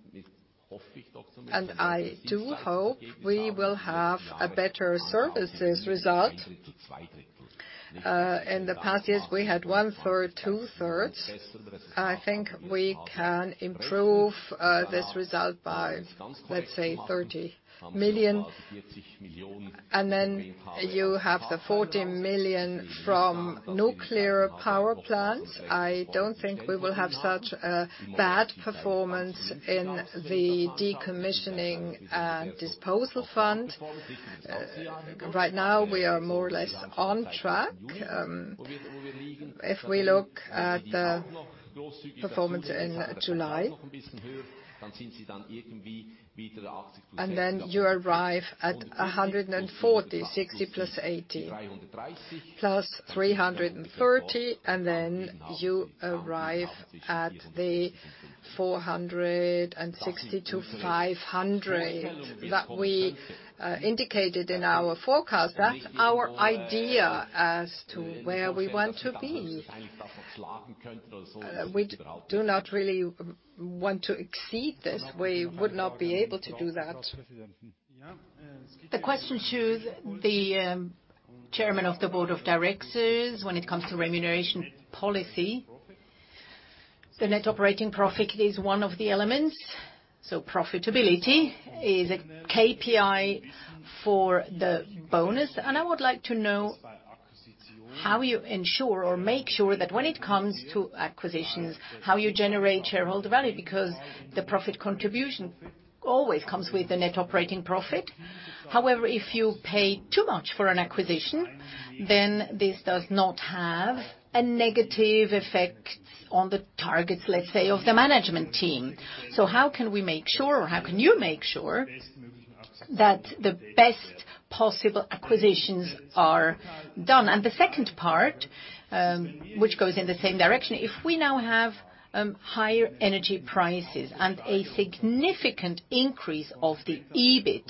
I do hope we will have a better services result. In the past years, we had one- third, two- thirds. I think we can improve this result by, let's say, 30 million. Then you have the 40 million from nuclear power plants. I don't think we will have such a bad performance in the decommissioning and disposal fund. Right now, we are more or less on track. If we look at the performance in July. You arrive at 140, 60 + 80 + 330, and then you arrive at the 460-500 that we indicated in our forecast. That's our idea as to where we want to be. We do not really want to exceed this. We would not be able to do that. The question to the chairman of the board of directors when it comes to remuneration policy. The net operating profit is one of the elements, so profitability is a KPI for the bonus. I would like to know how you ensure or make sure that when it comes to acquisitions, how you generate shareholder value, because the profit contribution always comes with the net operating profit. However, if you pay too much for an acquisition, then this does not have a negative effect on the targets, let's say, of the management team. How can we make sure, or how can you make sure that the best possible acquisitions are done? The second part, which goes in the same direction, if we now have higher energy prices and a significant increase of the EBIT,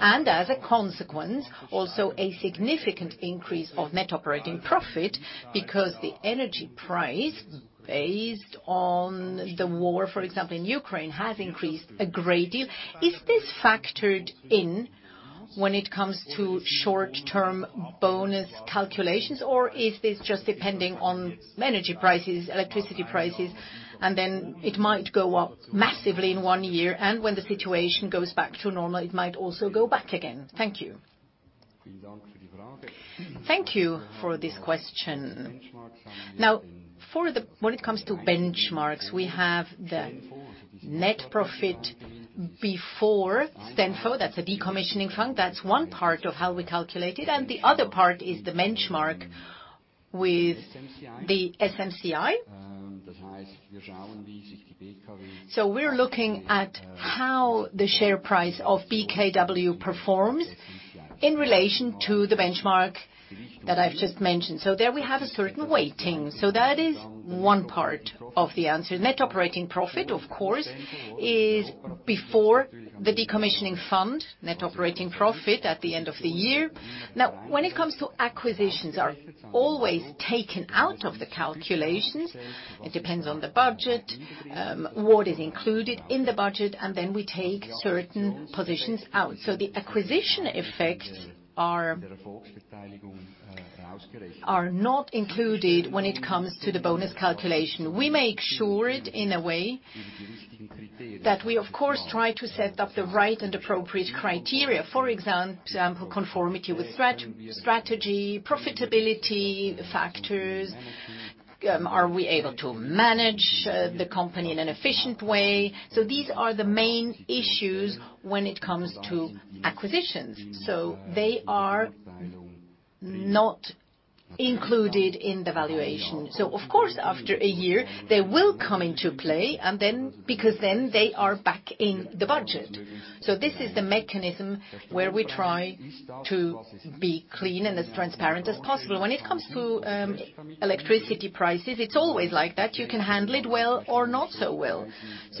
and as a consequence, also a significant increase of net operating profit because the energy price based on the war, for example, in Ukraine, has increased a great deal. Is this factored in when it comes to short-term bonus calculations, or is this just depending on energy prices, electricity prices, and then it might go up massively in one year, and when the situation goes back to normal, it might also go back again? Thank you. Thank you for this question. When it comes to benchmarks, we have the net profit before STENFO, that's a decommissioning fund. That's one part of how we calculate it, and the other part is the benchmark with the SMI. We're looking at how the share price of BKW performs in relation to the benchmark that I've just mentioned. There we have a certain weighting. That is one part of the answer. Net operating profit, of course, is before the decommissioning fund, net operating profit at the end of the year. Now, when it comes to acquisitions are always taken out of the calculations. It depends on the budget, what is included in the budget, and then we take certain positions out. The acquisition effects are not included when it comes to the bonus calculation. We make sure it, in a way, that we of course, try to set up the right and appropriate criteria. For example, conformity with strategy, profitability, the factors, are we able to manage the company in an efficient way? These are the main issues when it comes to acquisitions. They are not included in the valuation. Of course, after a year, they will come into play, and then, because then they are back in the budget. This is the mechanism where we try to be clean and as transparent as possible. When it comes to electricity prices, it's always like that. You can handle it well or not so well.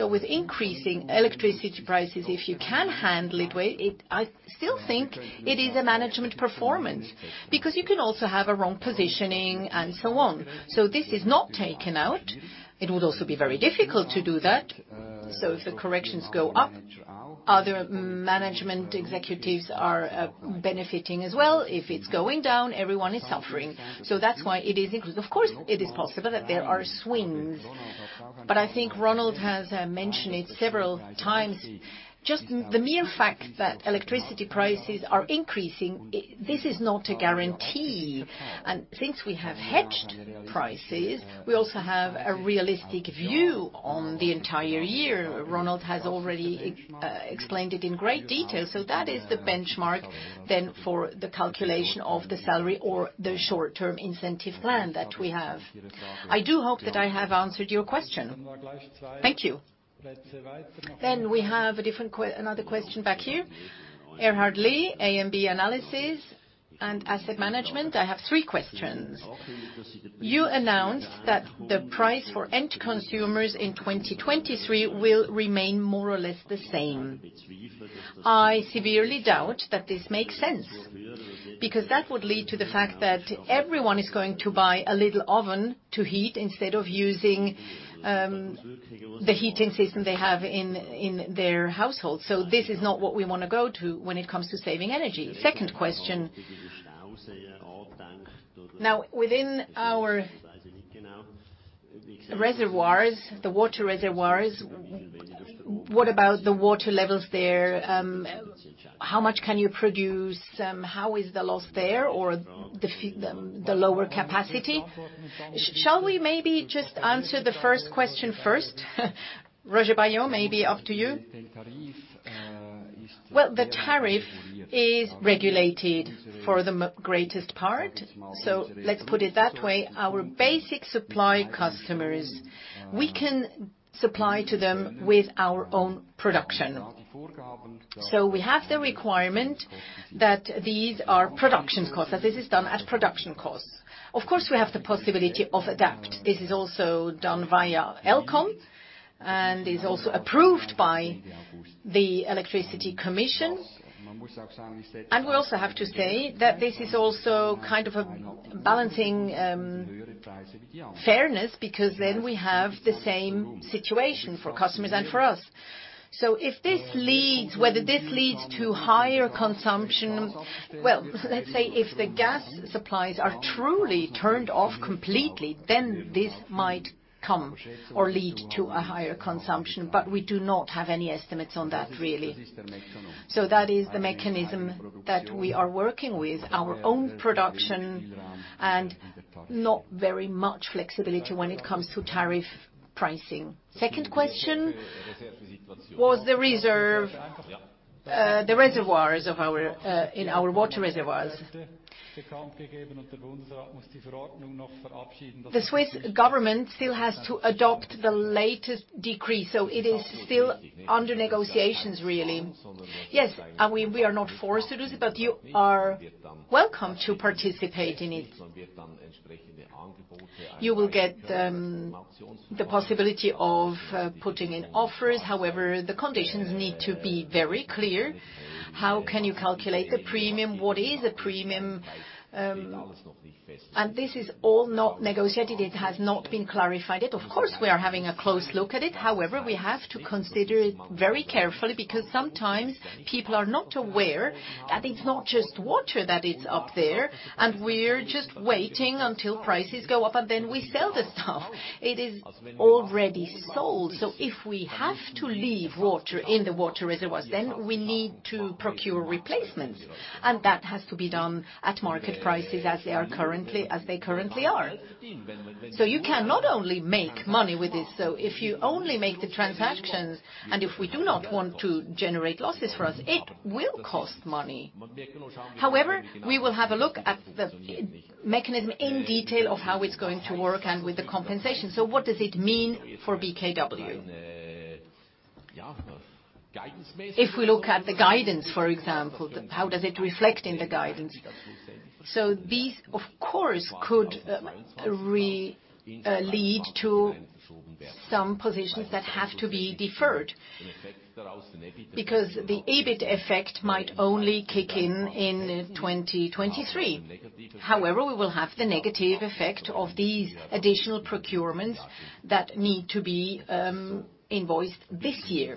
With increasing electricity prices, if you can handle it well, it, I still think it is a management performance, because you can also have a wrong positioning and so on. This is not taken out. It would also be very difficult to do that. If the corrections go up, other management executives are benefiting as well. If it's going down, everyone is suffering. That's why it is included. Of course, it is possible that there are swings. I think Ronald has mentioned it several times. Just the mere fact that electricity prices are increasing, this is not a guarantee. Since we have hedged prices, we also have a realistic view on the entire year. Ronald has already explained it in great detail. That is the benchmark then for the calculation of the salary or the short-term incentive plan that we have. I do hope that I have answered your question. Thank you. We have another question back here. Erhard Weh, uncertain. I have three questions. You announced that the price for end consumers in 2023 will remain more or less the same. I severely doubt that this makes sense, because that would lead to the fact that everyone is going to buy a little oven to heat instead of using the heating system they have in their household. This is not what we wanna go to when it comes to saving energy. Second question. Now, within our reservoirs, the water reservoirs, what about the water levels there? How much can you produce? How is the loss there or the lower capacity? Shall we maybe just answer the first question first? Roger Baillod, maybe up to you. Well, the tariff is regulated for the most part. Let's put it that way. Our basic supply customers, we can supply to them with our own production. We have the requirement that these are production costs, that this is done at production costs. Of course, we have the possibility of adaptation. This is also done via ElCom, and is also approved by the Electricity Commission. We also have to say that this is also kind of a balancing fairness because then we have the same situation for customers and for us. If this leads—whether this leads to higher consumption, well, let's say if the gas supplies are truly turned off completely, then this might come or lead to a higher consumption, but we do not have any estimates on that, really. That is the mechanism that we are working with, our own production and not very much flexibility when it comes to tariff pricing. Second question was the reserves in our water reservoirs. The Swiss government still has to adopt the latest decree, so it is still under negotiations, really. Yes, we are not forced to do it, but you are welcome to participate in it. You will get the possibility of putting in offers. However, the conditions need to be very clear. How can you calculate a premium? What is a premium? This is all not negotiated. It has not been clarified yet. Of course, we are having a close look at it. However, we have to consider it very carefully because sometimes people are not aware that it's not just water that is up there, and we're just waiting until prices go up, and then we sell the stuff. It is already sold. If we have to leave water in the water reservoirs, then we need to procure replacements, and that has to be done at market prices as they currently are. You can not only make money with this, if you only make the transactions, and if we do not want to generate losses for us, it will cost money. However, we will have a look at the mechanism in detail of how it's going to work and with the compensation. What does it mean for BKW? If we look at the guidance, for example, how does it reflect in the guidance? These of course could lead to some positions that have to be deferred because the EBIT effect might only kick in 2023. However, we will have the negative effect of these additional procurements that need to be invoiced this year.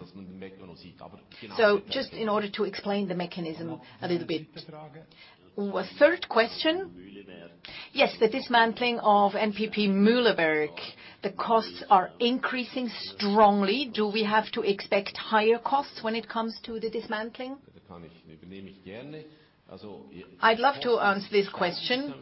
Just in order to explain the mechanism a little bit. A third question. Yes, the dismantling of NPP Mühleberg. The costs are increasing strongly. Do we have to expect higher costs when it comes to the dismantling? I'd love to answer this question.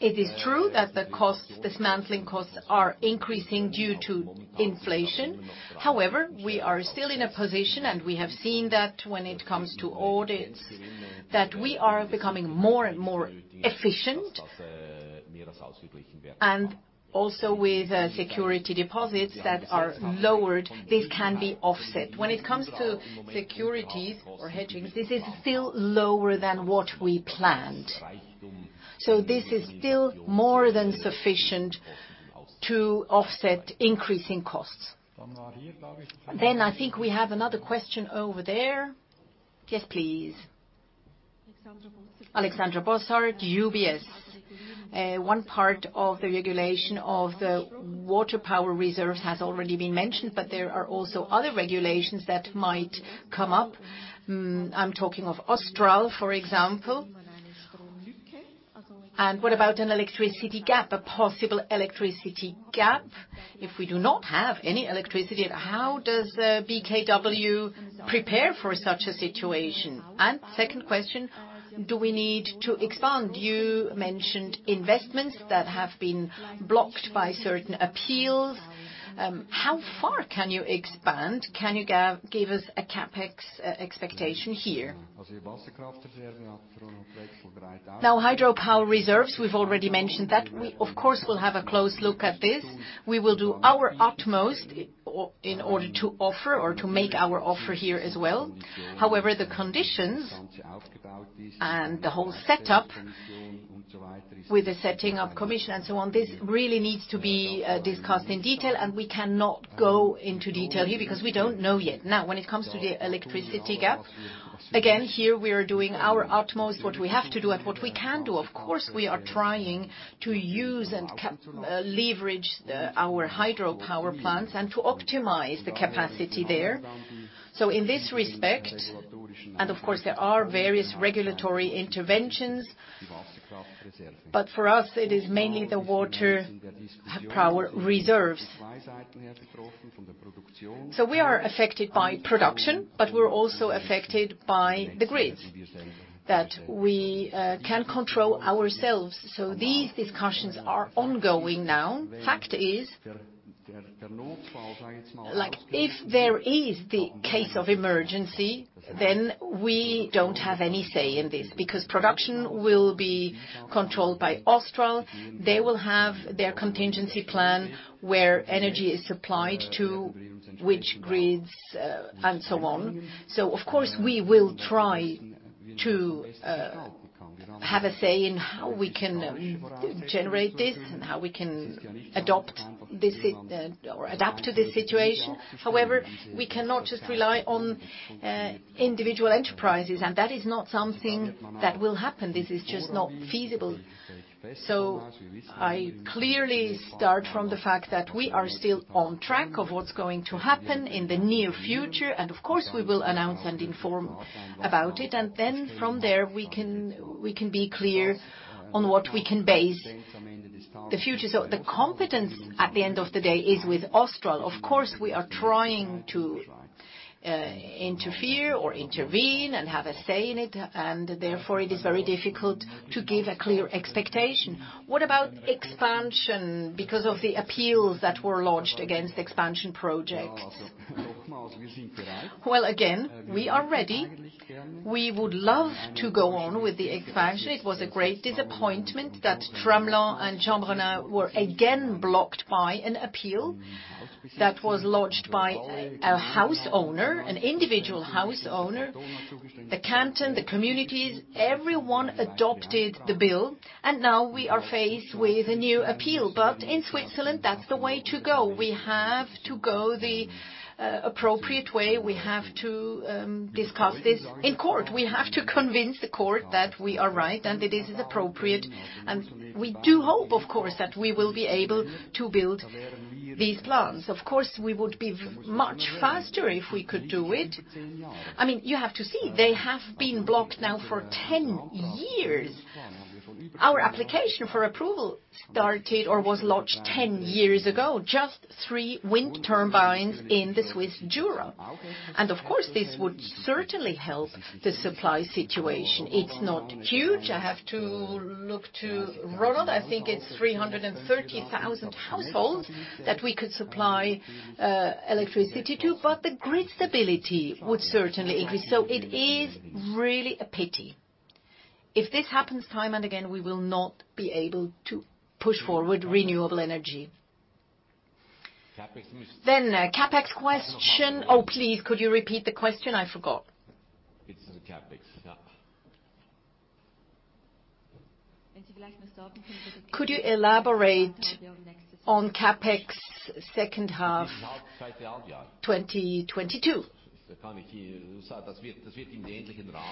It is true that the costs, dismantling costs are increasing due to inflation. However, we are still in a position, and we have seen that when it comes to audits, that we are becoming more and more efficient. With security deposits that are lowered, this can be offset. When it comes to securities or hedging, this is still lower than what we planned. This is still more than sufficient to offset increasing costs. I think we have another question over there. Yes, please. Alexandra Bosshard, UBS. One part of the regulation of the water power reserves has already been mentioned, but there are also other regulations that might come up. I'm talking of OSTRAL, for example. What about an electricity gap? A possible electricity gap? If we do not have any electricity, how does BKW prepare for such a situation? Second question, do we need to expand? You mentioned investments that have been blocked by certain appeals. How far can you expand? Can you give us a CapEx expectation here? Now hydropower reserves, we've already mentioned that. We of course will have a close look at this. We will do our utmost in order to offer or to make our offer here as well. However, the conditions and the whole setup with the setting up commission and so on, this really needs to be discussed in detail, and we cannot go into detail here because we don't know yet. Now, when it comes to the electricity gap, again, here we are doing our utmost, what we have to do and what we can do. Of course, we are trying to use and leverage our hydropower plants and to optimize the capacity there. In this respect, there are various regulatory interventions. For us, it is mainly the water power reserves. We are affected by production, but we're also affected by the grids that we can't control ourselves. These discussions are ongoing now. Fact is, like, if there is the case of emergency, then we don't have any say in this because production will be controlled by OSTRAL. They will have their contingency plan where energy is supplied to which grids and so on. Of course, we will try to have a say in how we can generate this and how we can adapt to this situation. However, we cannot just rely on individual enterprises, and that is not something that will happen. This is just not feasible. I clearly start from the fact that we are still on track of what's going to happen in the near future. Of course, we will announce and inform about it. Then from there we can be clear on what we can base the future. The competence at the end of the day is with OSTRAL. Of course, we are trying to interfere or intervene and have a say in it, and therefore it is very difficult to give a clear expectation. What about expansion because of the appeals that were launched against expansion projects? Well, again, we are ready. We would love to go on with the expansion. It was a great disappointment that Tramelan and uncertain were again blocked by an appeal that was lodged by a house owner, an individual house owner. The canton, the communities, everyone adopted the bill, and now we are faced with a new appeal. In Switzerland, that's the way to go. We have to go the appropriate way. We have to discuss this in court. We have to convince the court that we are right and that this is appropriate. We do hope, of course, that we will be able to build these plants. Of course, we would be much faster if we could do it. I mean, you have to see, they have been blocked now for 10 years. Our application for approval started or was lodged 10 years ago, just three wind turbines in the Swiss Jura. Of course, this would certainly help the supply situation. It's not huge. I have to look to Ronald. I think it's 330,000 households that we could supply electricity to, but the grid stability would certainly increase. It is really a pity. If this happens time and again, we will not be able to push forward renewable energy. CapEx. Then CapEx question. Oh, please, could you repeat the question? I forgot. It's the CapEx, yeah. Could you elaborate on CapEx second half 2022?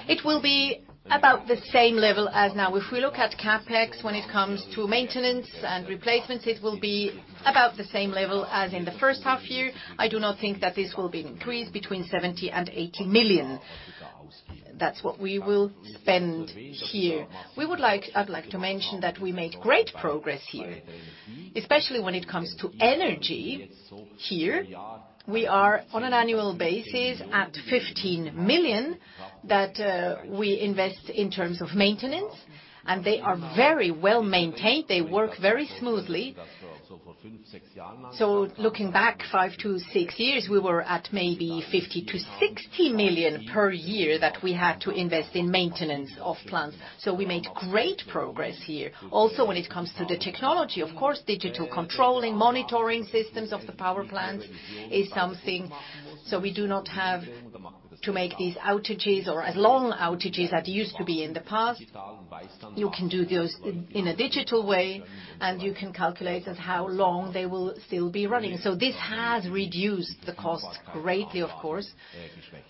It will be about the same level as now. If we look at CapEx when it comes to maintenance and replacements, it will be about the same level as in the first half year. I do not think that this will be increased between 70 million and 80 million. That's what we will spend here. We would like. I'd like to mention that we made great progress here, especially when it comes to energy. Here we are on an annual basis at 15 million that we invest in terms of maintenance, and they are very well-maintained. They work very smoothly. Looking back five to six years, we were at maybe 50-60 million per year that we had to invest in maintenance of plants. We made great progress here. Also, when it comes to the technology, of course, digital controlling, monitoring systems of the power plants is something. We do not have to make these outages or as long outages that used to be in the past. You can do those in a digital way, and you can calculate as how long they will still be running. This has reduced the costs greatly, of course,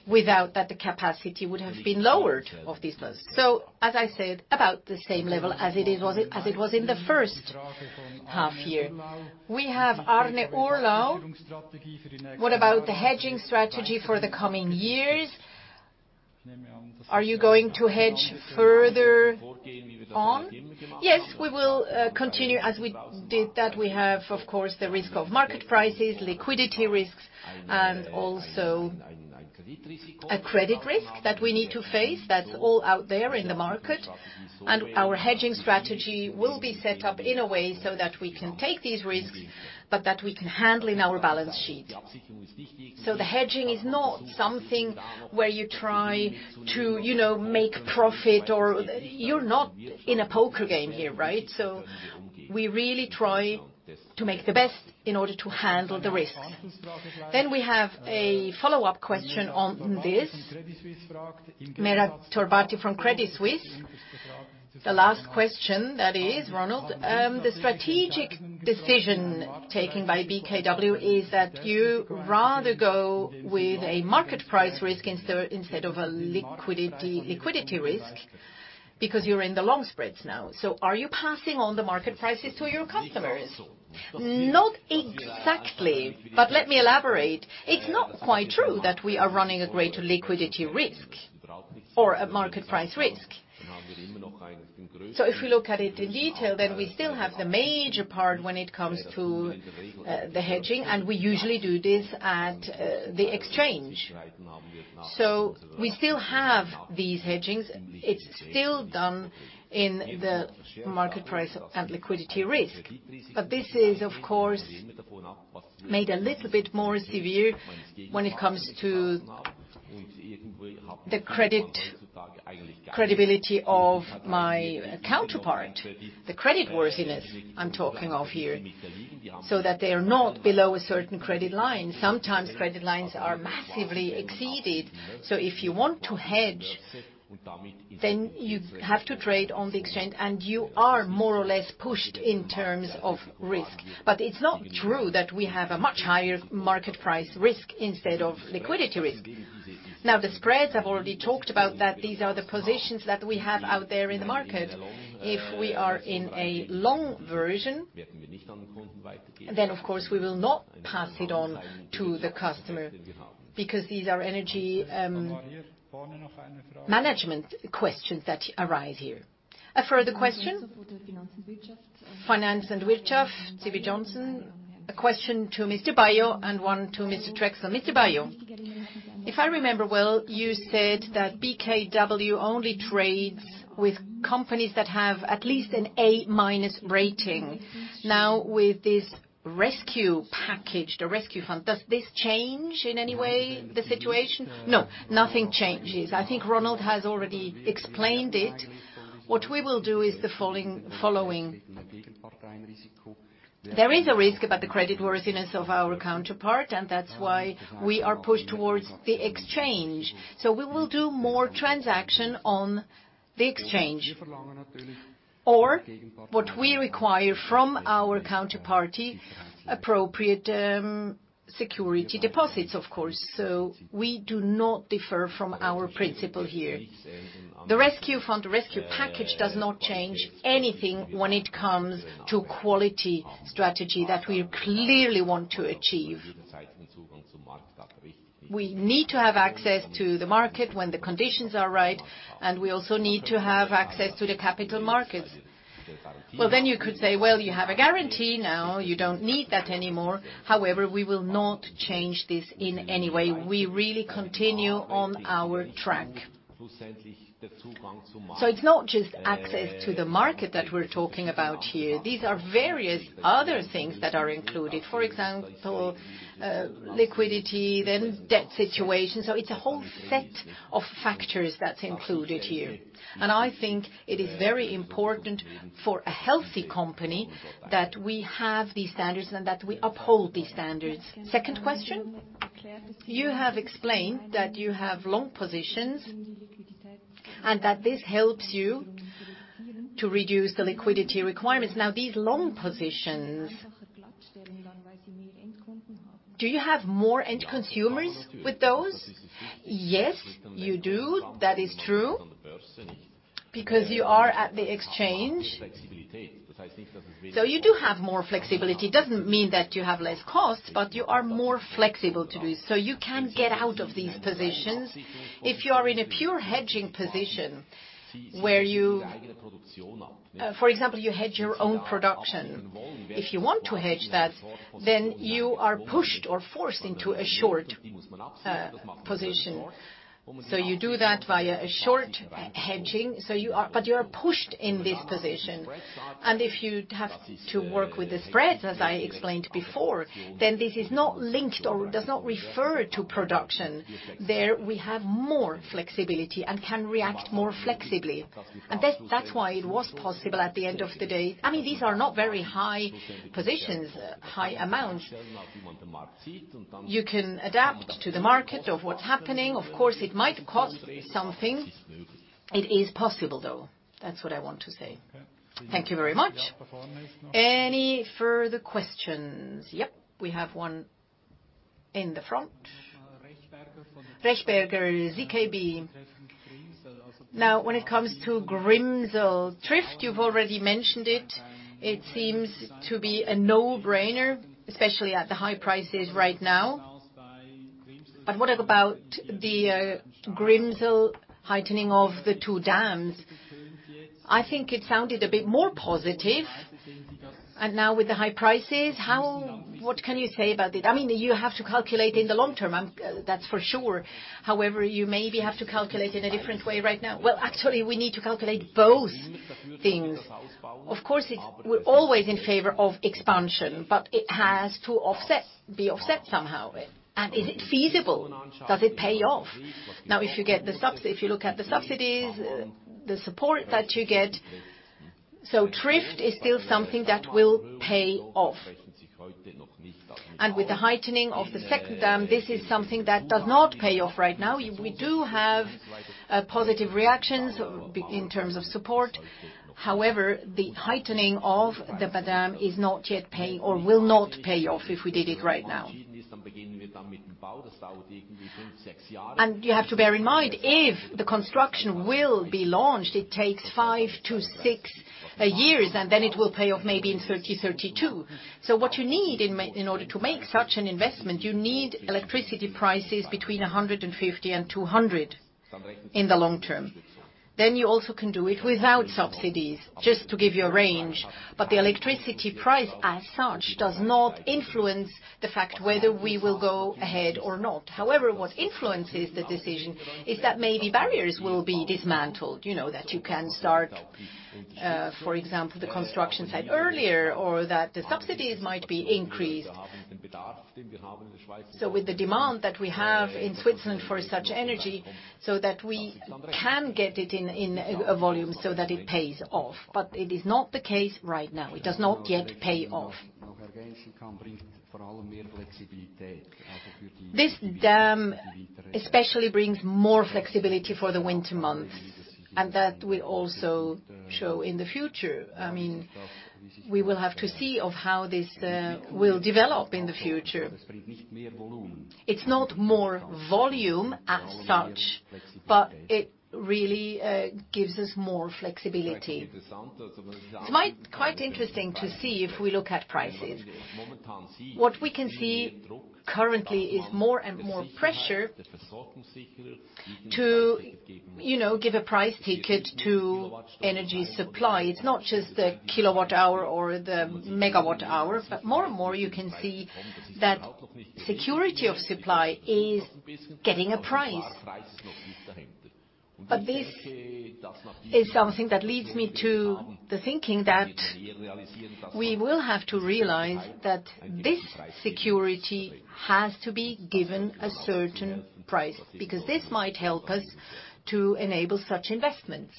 without that the capacity would have been lowered of these plants. As I said, about the same level as it was in the first half year. We have Arne Olsen. What about the hedging strategy for the coming years? Are you going to hedge further on? Yes, we will continue as we did that. We have of course the risk of market prices, liquidity risks, and also a credit risk that we need to face that's all out there in the market. Our hedging strategy will be set up in a way so that we can take these risks, but that we can handle in our balance sheet. The hedging is not something where you try to, you know, make profit or you're not in a poker game here, right? We really try to make the best in order to handle the risk. We have a follow-up question on this. Mehran Aghadavoudi from Credit Suisse. The last question, that is Ronald, the strategic decision taken by BKW is that you rather go with a market price risk instead of a liquidity risk because you're in the long spreads now. Are you passing on the market prices to your customers? Not exactly, but let me elaborate. It's not quite true that we are running a greater liquidity risk or a market price risk. If we look at it in detail, we still have the major part when it comes to the hedging, and we usually do this at the exchange. We still have these hedgings. It's still done in the market price and liquidity risk. This is, of course, made a little bit more severe when it comes to the credit, credibility of my counterpart, the credit worthiness I'm talking of here, so that they are not below a certain credit line. Sometimes credit lines are massively exceeded. If you want to hedge, then you have to trade on the exchange, and you are more or less pushed in terms of risk. It's not true that we have a much higher market price risk instead of liquidity risk. Now, the spreads I've already talked about that these are the positions that we have out there in the market. If we are in a long version, then of course we will not pass it on to the customer because these are energy, management questions that arise here. A further question. Finanz und Wirtschaft, Stefan Gnegi. A question to Mr. Mr. Baillod and to Mr. Itschner. Mr. Baillod, if I remember well, you said that BKW only trades with companies that have at least an A-minus rating. Now, with this rescue package, the rescue fund, does this change in any way the situation? No, nothing changes. I think Ronald has already explained it. What we will do is the following. There is a risk about the creditworthiness of our counterparty, and that's why we are pushed towards the exchange. We will do more transactions on the exchange. Or what we require from our counterparty, appropriate, security deposits, of course. We do not differ from our principle here. The rescue fund, the rescue package does not change anything when it comes to quality strategy that we clearly want to achieve. We need to have access to the market when the conditions are right, and we also need to have access to the capital markets. Well, then you could say, "Well, you have a guarantee now. You don't need that anymore." However, we will not change this in any way. We really continue on our track. It's not just access to the market that we're talking about here. These are various other things that are included. For example, liquidity, then debt situation. It's a whole set of factors that's included here. I think it is very important for a healthy company that we have these standards and that we uphold these standards. Second question. You have explained that you have long positions and that this helps you to reduce the liquidity requirements. Now these long positions, do you have more end consumers with those? Yes, you do. That is true because you are at the exchange. You do have more flexibility. It doesn't mean that you have less costs, but you are more flexible to do. You can get out of these positions. If you are in a pure hedging position where you, for example, you hedge your own production. If you want to hedge that, then you are pushed or forced into a short position. You do that via a short hedging. You are pushed in this position. If you have to work with the spreads, as I explained before, then this is not linked or does not refer to production. There we have more flexibility and can react more flexibly. That's why it was possible at the end of the day. I mean, these are not very high positions, high amounts. You can adapt to the market of what's happening. Of course, it might cost something. It is possible, though. That's what I want to say. Thank you very much. Any further questions? Yep, we have one in the front. Patricna Jaeger. Now, when it comes to Grimsel Trift, you've already mentioned it. It seems to be a no-brainer, especially at the high prices right now. What about the Grimsel heightening of the two dams? I think it sounded a bit more positive. Now with the high prices, what can you say about it? I mean, you have to calculate in the long term, that's for sure. However, you maybe have to calculate in a different way right now. Well, actually, we need to calculate both things. Of course, we're always in favor of expansion, but it has to be offset somehow. Is it feasible? Does it pay off? If you look at the subsidies, the support that you get, Trift is still something that will pay off. With the heightening of the second dam, this is something that does not pay off right now. We do have positive reactions in terms of support. However, the heightening of the dam is not yet paying or will not pay off if we did it right now. You have to bear in mind, if the construction will be launched, it takes five to six years, and then it will pay off maybe in 30-32. What you need in order to make such an investment, you need electricity prices between 150-200 in the long term. You also can do it without subsidies, just to give you a range. The electricity price, as such, does not influence the fact whether we will go ahead or not. However, what influences the decision is that maybe barriers will be dismantled. You know, that you can start, for example, the construction site earlier or that the subsidies might be increased. With the demand that we have in Switzerland for such energy, so that we can get it in a volume so that it pays off. It is not the case right now. It does not yet pay off. This dam especially brings more flexibility for the winter months, and that will also show in the future. I mean, we will have to see how this will develop in the future. It's not more volume as such, but it really gives us more flexibility. It's quite interesting to see if we look at prices. What we can see currently is more and more pressure to, you know, give a price ticket to energy supply. It's not just the kilowatt-hour or the megawatt-hour, but more and more you can see that security of supply is getting a price. But this is something that leads me to the thinking that we will have to realize that this security has to be given a certain price because this might help us to enable such investments.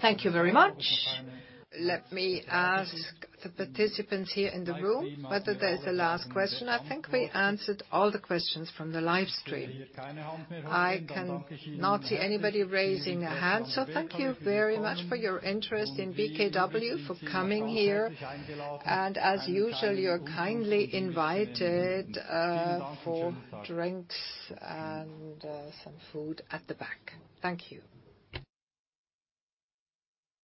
Thank you very much. Let me ask the participants here in the room whether there's a last question. I think we answered all the questions from the live stream. I can not see anybody raising a hand. Thank you very much for your interest in BKW, for coming here. As usual, you're kindly invited for drinks and some food at the back. Thank you.